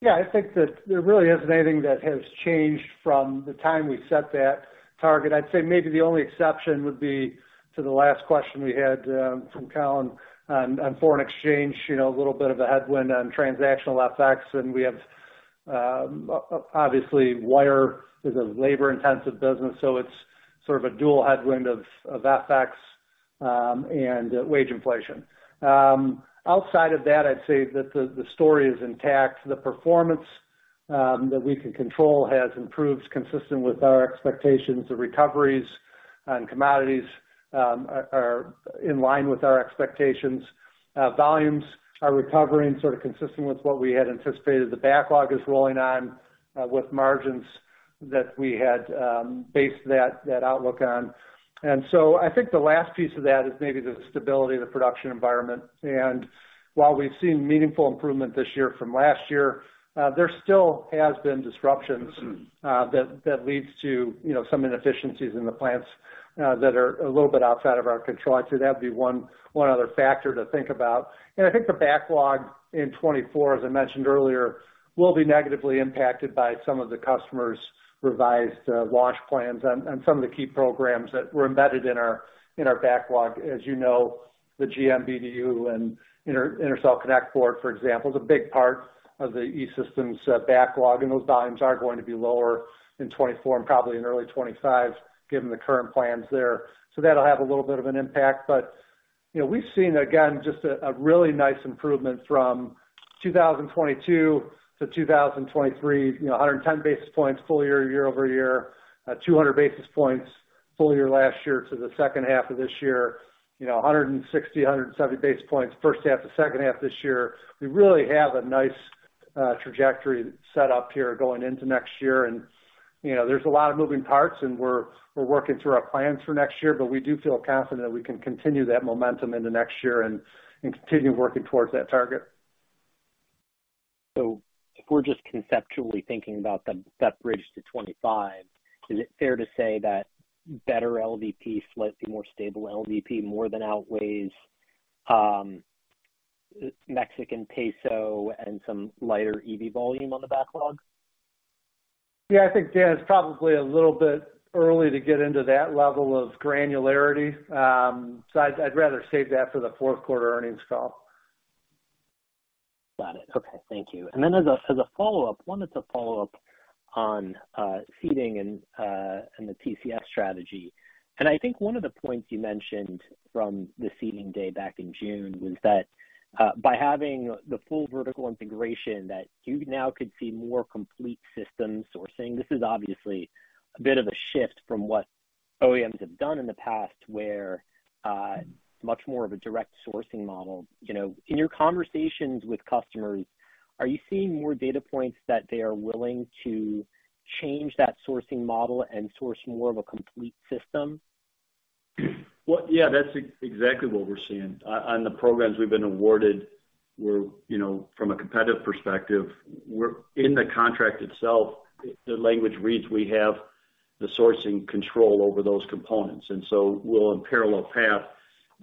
Yeah, I think that there really isn't anything that has changed from the time we set that target. I'd say maybe the only exception would be to the last question we had from Colin on foreign exchange, you know, a little bit of a headwind on transactional FX, and we have obviously, wire is a labor-intensive business, so it's sort of a dual headwind of FX and wage inflation. Outside of that, I'd say that the story is intact. The performance that we can control has improved consistent with our expectations. The recoveries on commodities are in line with our expectations. Volumes are recovering, sort of consistent with what we had anticipated. The backlog is rolling on with margins that we had based that outlook on. I think the last piece of that is maybe the stability of the production environment. And while we've seen meaningful improvement this year from last year, there still has been disruptions that leads to, you know, some inefficiencies in the plants that are a little bit outside of our control. I'd say that'd be one other factor to think about. And I think the backlog in 2024, as I mentioned earlier, will be negatively impacted by some of the customers' revised launch plans on some of the key programs that were embedded in our backlog. As you know, the GM BDU and Intercell Connect Board, for example, is a big part of the E-Systems backlog, and those volumes are going to be lower in 2024 and probably in early 2025, given the current plans there. So that'll have a little bit of an impact, but, you know, we've seen, again, just a, a really nice improvement from 2022 to 2023, you know, 110 basis points full year, year over year, 200 basis points full year last year to the second half of this year, you know, 160, 170 basis points, first half to second half this year. We really have a nice trajectory set up here going into next year. And, you know, there's a lot of moving parts, and we're, we're working through our plans for next year, but we do feel confident we can continue that momentum into next year and, and continue working towards that target. So if we're just conceptually thinking about that bridge to 25, is it fair to say that better LVP, slightly more stable LVP, more than outweighs Mexican peso and some lighter EV volume on the backlog? Yeah, I think, Dan, it's probably a little bit early to get into that level of granularity. So I'd rather save that for the fourth quarter earnings call. Got it. Okay, thank you. And then as a, as a follow-up, wanted to follow up on, seating and, and the TCS strategy. And I think one of the points you mentioned from the seating day back in June was that, by having the full vertical integration, that you now could see more complete systems sourcing. This is obviously a bit of a shift from what OEMs have done in the past, where, much more of a direct sourcing model. You know, in your conversations with customers, are you seeing more data points that they are willing to change that sourcing model and source more of a complete system? Well, yeah, that's exactly what we're seeing. On the programs we've been awarded, we're, you know, from a competitive perspective, in the contract itself, the language reads, we have the sourcing control over those components, and so we'll in parallel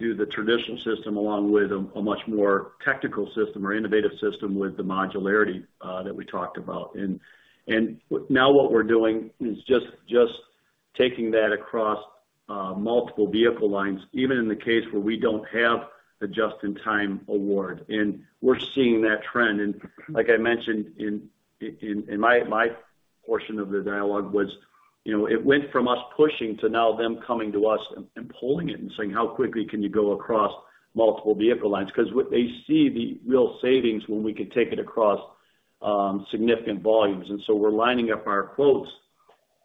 path, do the traditional system along with a much more tactical system or innovative system with the modularity that we talked about. And now what we're doing is just taking that across multiple vehicle lines, even in the case where we don't have the just-in-time award. And we're seeing that trend. And like I mentioned in my portion of the dialogue was, you know, it went from us pushing to now them coming to us and pulling it and saying: How quickly can you go across multiple vehicle lines? Because what they see the real savings when we could take it across significant volumes. And so we're lining up our quotes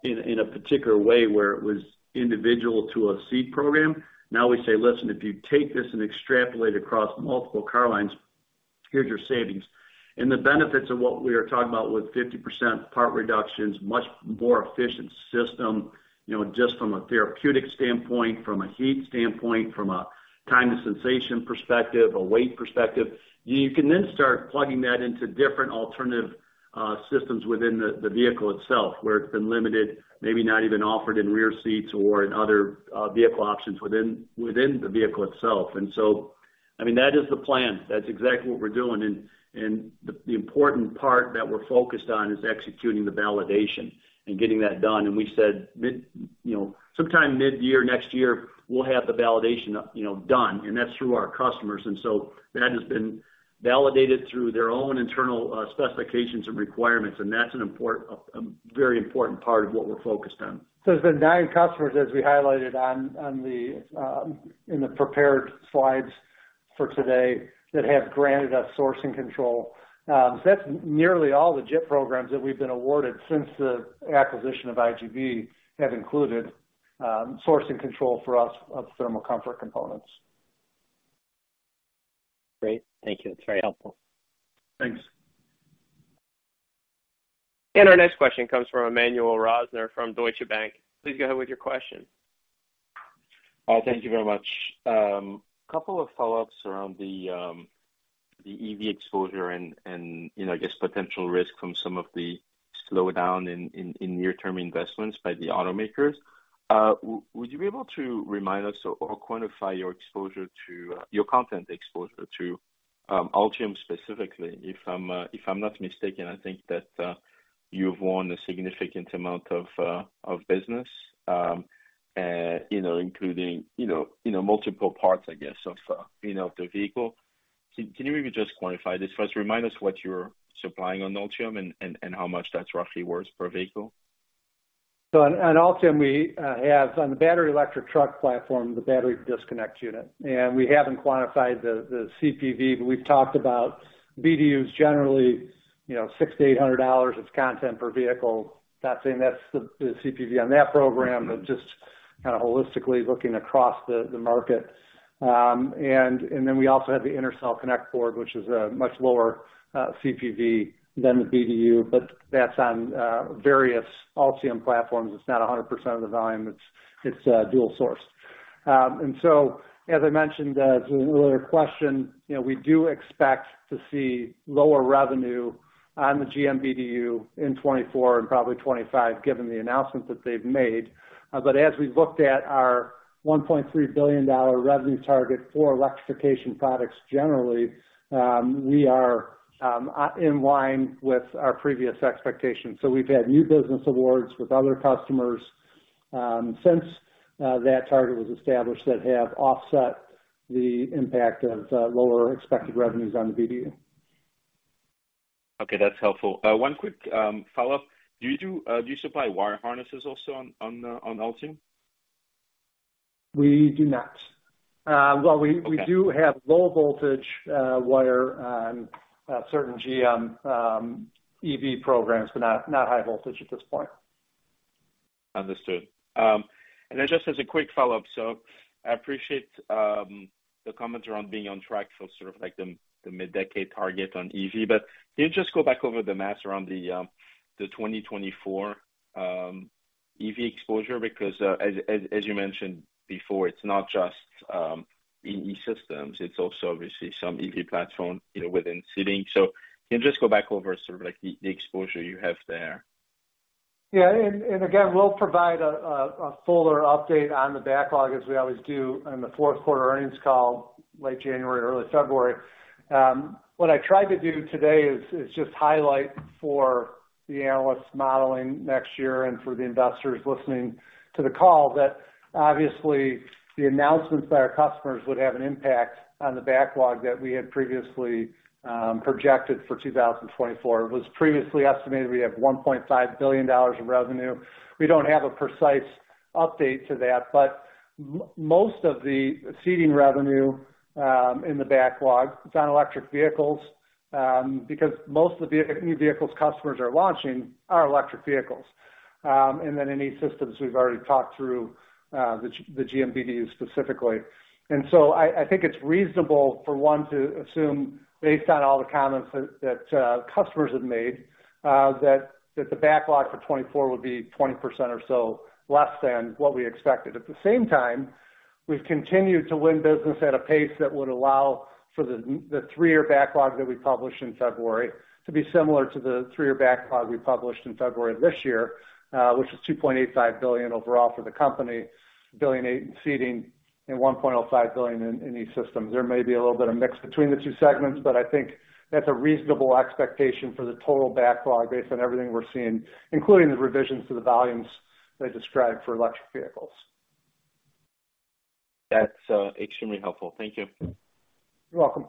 in, in a particular way where it was individual to a seat program. Now we say, "Listen, if you take this and extrapolate across multiple car lines, here's your savings." And the benefits of what we are talking about with 50% part reductions, much more efficient system, you know, just from a therapeutic standpoint, from a heat standpoint, from a time to sensation perspective, a weight perspective. You can then start plugging that into different alternative systems within the vehicle itself, where it's been limited, maybe not even offered in rear seats or in other vehicle options within the vehicle itself. And so-... I mean, that is the plan. That's exactly what we're doing. And the important part that we're focused on is executing the validation and getting that done. And we said mid-year, you know, sometime mid-year, next year, we'll have the validation, you know, done, and that's through our customers. And so that has been validated through their own internal specifications and requirements, and that's an important, a very important part of what we're focused on. So there's been 9 customers, as we highlighted in the prepared slides for today, that have granted us sourcing control. That's nearly all the JIT programs that we've been awarded since the acquisition of IGB, have included sourcing control for us of thermal comfort components. Great. Thank you. It's very helpful. Thanks. Our next question comes from Emmanuel Rosner from Deutsche Bank. Please go ahead with your question. Thank you very much. Couple of follow-ups around the EV exposure and, you know, I guess, potential risk from some of the slowdown in near-term investments by the automakers. Would you be able to remind us or quantify your exposure to your content exposure to Ultium specifically? If I'm not mistaken, I think that you've won a significant amount of business, you know, including you know multiple parts, I guess, of the vehicle. Can you maybe just quantify this for us? Remind us what you're supplying on Ultium and how much that's roughly worth per vehicle. So on Ultium, we have, on the battery electric truck platform, the battery disconnect unit, and we haven't quantified the CPV, but we've talked about BDU is generally, you know, $600-$800. It's content per vehicle. Not saying that's the CPV on that program, but just kind of holistically looking across the market. And then we also have the Intercell Connect Board, which is a much lower CPV than the BDU, but that's on various Ultium platforms. It's not 100% of the volume. It's dual sourced. And so as I mentioned to an earlier question, you know, we do expect to see lower revenue on the GM BDU in 2024 and probably 2025, given the announcements that they've made. As we've looked at our $1.3 billion revenue target for electrification products, generally, we are in line with our previous expectations. So we've had new business awards with other customers since that target was established, that have offset the impact of lower expected revenues on the BDU. Okay, that's helpful. One quick follow-up. Do you supply wire harnesses also on Ultium? We do not. Well, we- Okay. We do have low voltage wire on certain GM EV programs, but not high voltage at this point. Understood. And then just as a quick follow-up, so I appreciate the comments around being on track for sort of like the, the mid-decade target on EV, but can you just go back over the math around the, the 2024, EV exposure? Because, as you mentioned before, it's not just, E-Systems, it's also obviously some EV platform, you know, within seating. So can you just go back over sort of like the, the exposure you have there? Yeah, and again, we'll provide a fuller update on the backlog as we always do on the fourth quarter earnings call, late January, early February. What I tried to do today is just highlight for the analysts modeling next year and for the investors listening to the call, that obviously the announcements by our customers would have an impact on the backlog that we had previously projected for 2024. It was previously estimated we'd have $1.5 billion of revenue. We don't have a precise update to that, but most of the seating revenue in the backlog, it's on electric vehicles, because most of the new vehicles customers are launching are electric vehicles. And then in E-Systems, we've already talked through the GM BDUs specifically. I think it's reasonable for one to assume, based on all the comments that customers have made, that the backlog for 2024 would be 20% or so less than what we expected. At the same time, we've continued to win business at a pace that would allow for the three-year backlog that we published in February to be similar to the three-year backlog we published in February of this year, which is $2.85 billion overall for the company, $2.8 billion in Seating and $1.5 billion in E-Systems. There may be a little bit of mix between the two segments, but I think that's a reasonable expectation for the total backlog based on everything we're seeing, including the revisions to the volumes I described for electric vehicles. That's extremely helpful. Thank you. You're welcome.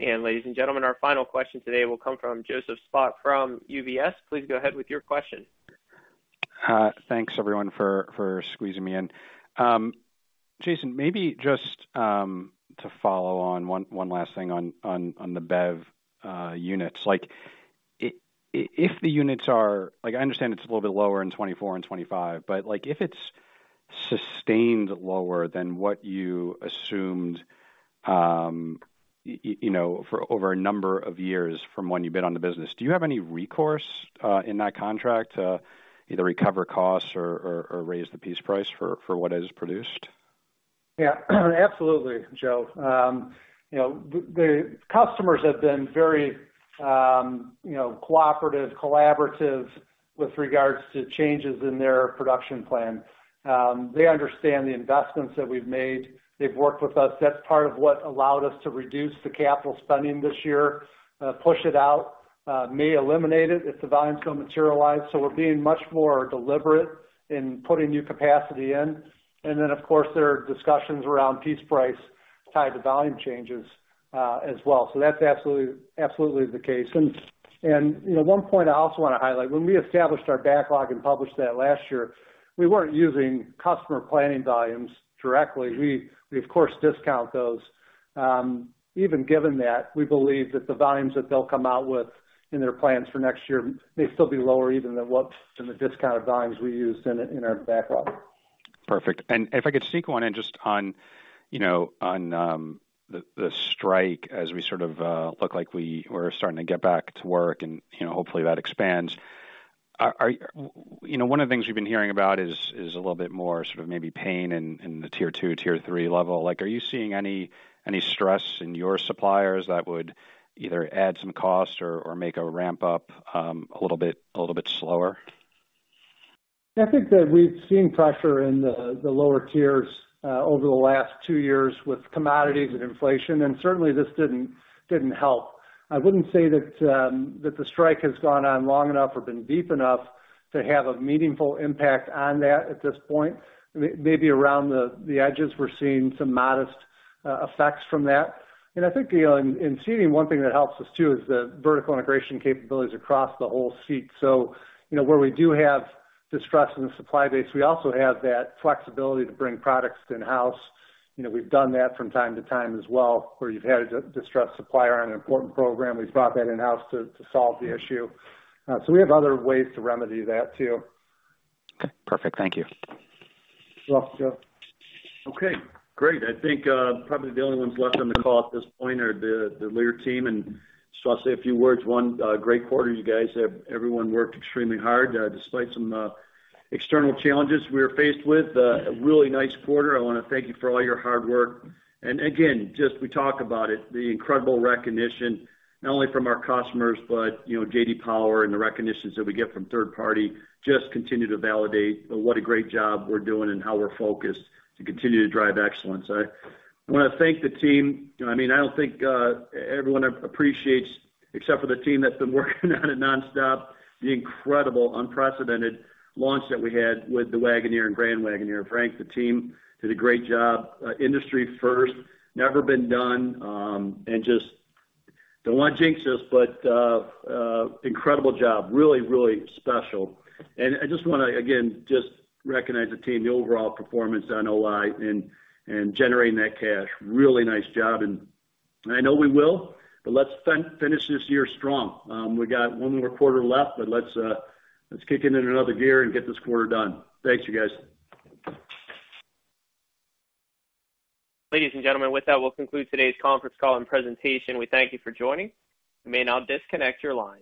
Ladies and gentlemen, our final question today will come from Joseph Spak from UBS. Please go ahead with your question. Thanks everyone for squeezing me in. Jason, maybe just to follow on one last thing on the BEV units. Like, if the units are... Like, I understand it's a little bit lower in 2024 and 2025, but, like, if it's sustained lower than what you assumed, you know, for over a number of years from when you bid on the business, do you have any recourse in that contract to either recover costs or raise the piece price for what is produced?... Yeah, absolutely, Joe. You know, the customers have been very, you know, cooperative, collaborative with regards to changes in their production plan. They understand the investments that we've made. They've worked with us. That's part of what allowed us to reduce the capital spending this year, push it out, may eliminate it if the volumes don't materialize. So we're being much more deliberate in putting new capacity in. And then, of course, there are discussions around piece price tied to volume changes, as well. So that's absolutely, absolutely the case. And, you know, one point I also want to highlight, when we established our backlog and published that last year, we weren't using customer planning volumes directly. We, of course, discount those. Even given that, we believe that the volumes that they'll come out with in their plans for next year may still be lower even than what the discounted volumes we used in our backlog. Perfect. And if I could sneak one in just on, you know, on the strike as we sort of look like we're starting to get back to work and, you know, hopefully, that expands. You know, one of the things we've been hearing about is a little bit more sort of maybe pain in the Tier 2, Tier 3 level. Like, are you seeing any stress in your suppliers that would either add some cost or make a ramp up a little bit slower? I think that we've seen pressure in the lower tiers over the last two years with commodities and inflation, and certainly this didn't help. I wouldn't say that the strike has gone on long enough or been deep enough to have a meaningful impact on that at this point. Maybe around the edges, we're seeing some modest effects from that. And I think, you know, in Seating, one thing that helps us, too, is the vertical integration capabilities across the whole seat. So you know, where we do have disruption in the supply base, we also have that flexibility to bring products in-house. You know, we've done that from time to time as well, where you've had a disrupted supplier on an important program, we've brought that in-house to solve the issue. We have other ways to remedy that, too. Okay, perfect. Thank you. You're welcome, Joe. Okay, great. I think, probably the only ones left on the call at this point are the, the Lear team, and so I'll say a few words. One, great quarter, you guys. Everyone worked extremely hard, despite some, external challenges we were faced with, a really nice quarter. I want to thank you for all your hard work. And again, just we talk about it, the incredible recognition, not only from our customers, but, you know, J.D. Power and the recognitions that we get from third party just continue to validate what a great job we're doing and how we're focused to continue to drive excellence. I want to thank the team. You know, I mean, I don't think everyone appreciates, except for the team that's been working on it nonstop, the incredible unprecedented launch that we had with the Wagoneer and Grand Wagoneer. Frank, the team did a great job. Industry first, never been done, and just don't want to jinx this, but incredible job. Really, really special. And I just want to, again, just recognize the team, the overall performance on OI and generating that cash. Really nice job, and I know we will, but let's finish this year strong. We got one more quarter left, but let's kick it in another gear and get this quarter done. Thanks, you guys. Ladies and gentlemen, with that, we'll conclude today's conference call and presentation. We thank you for joining. You may now disconnect your line.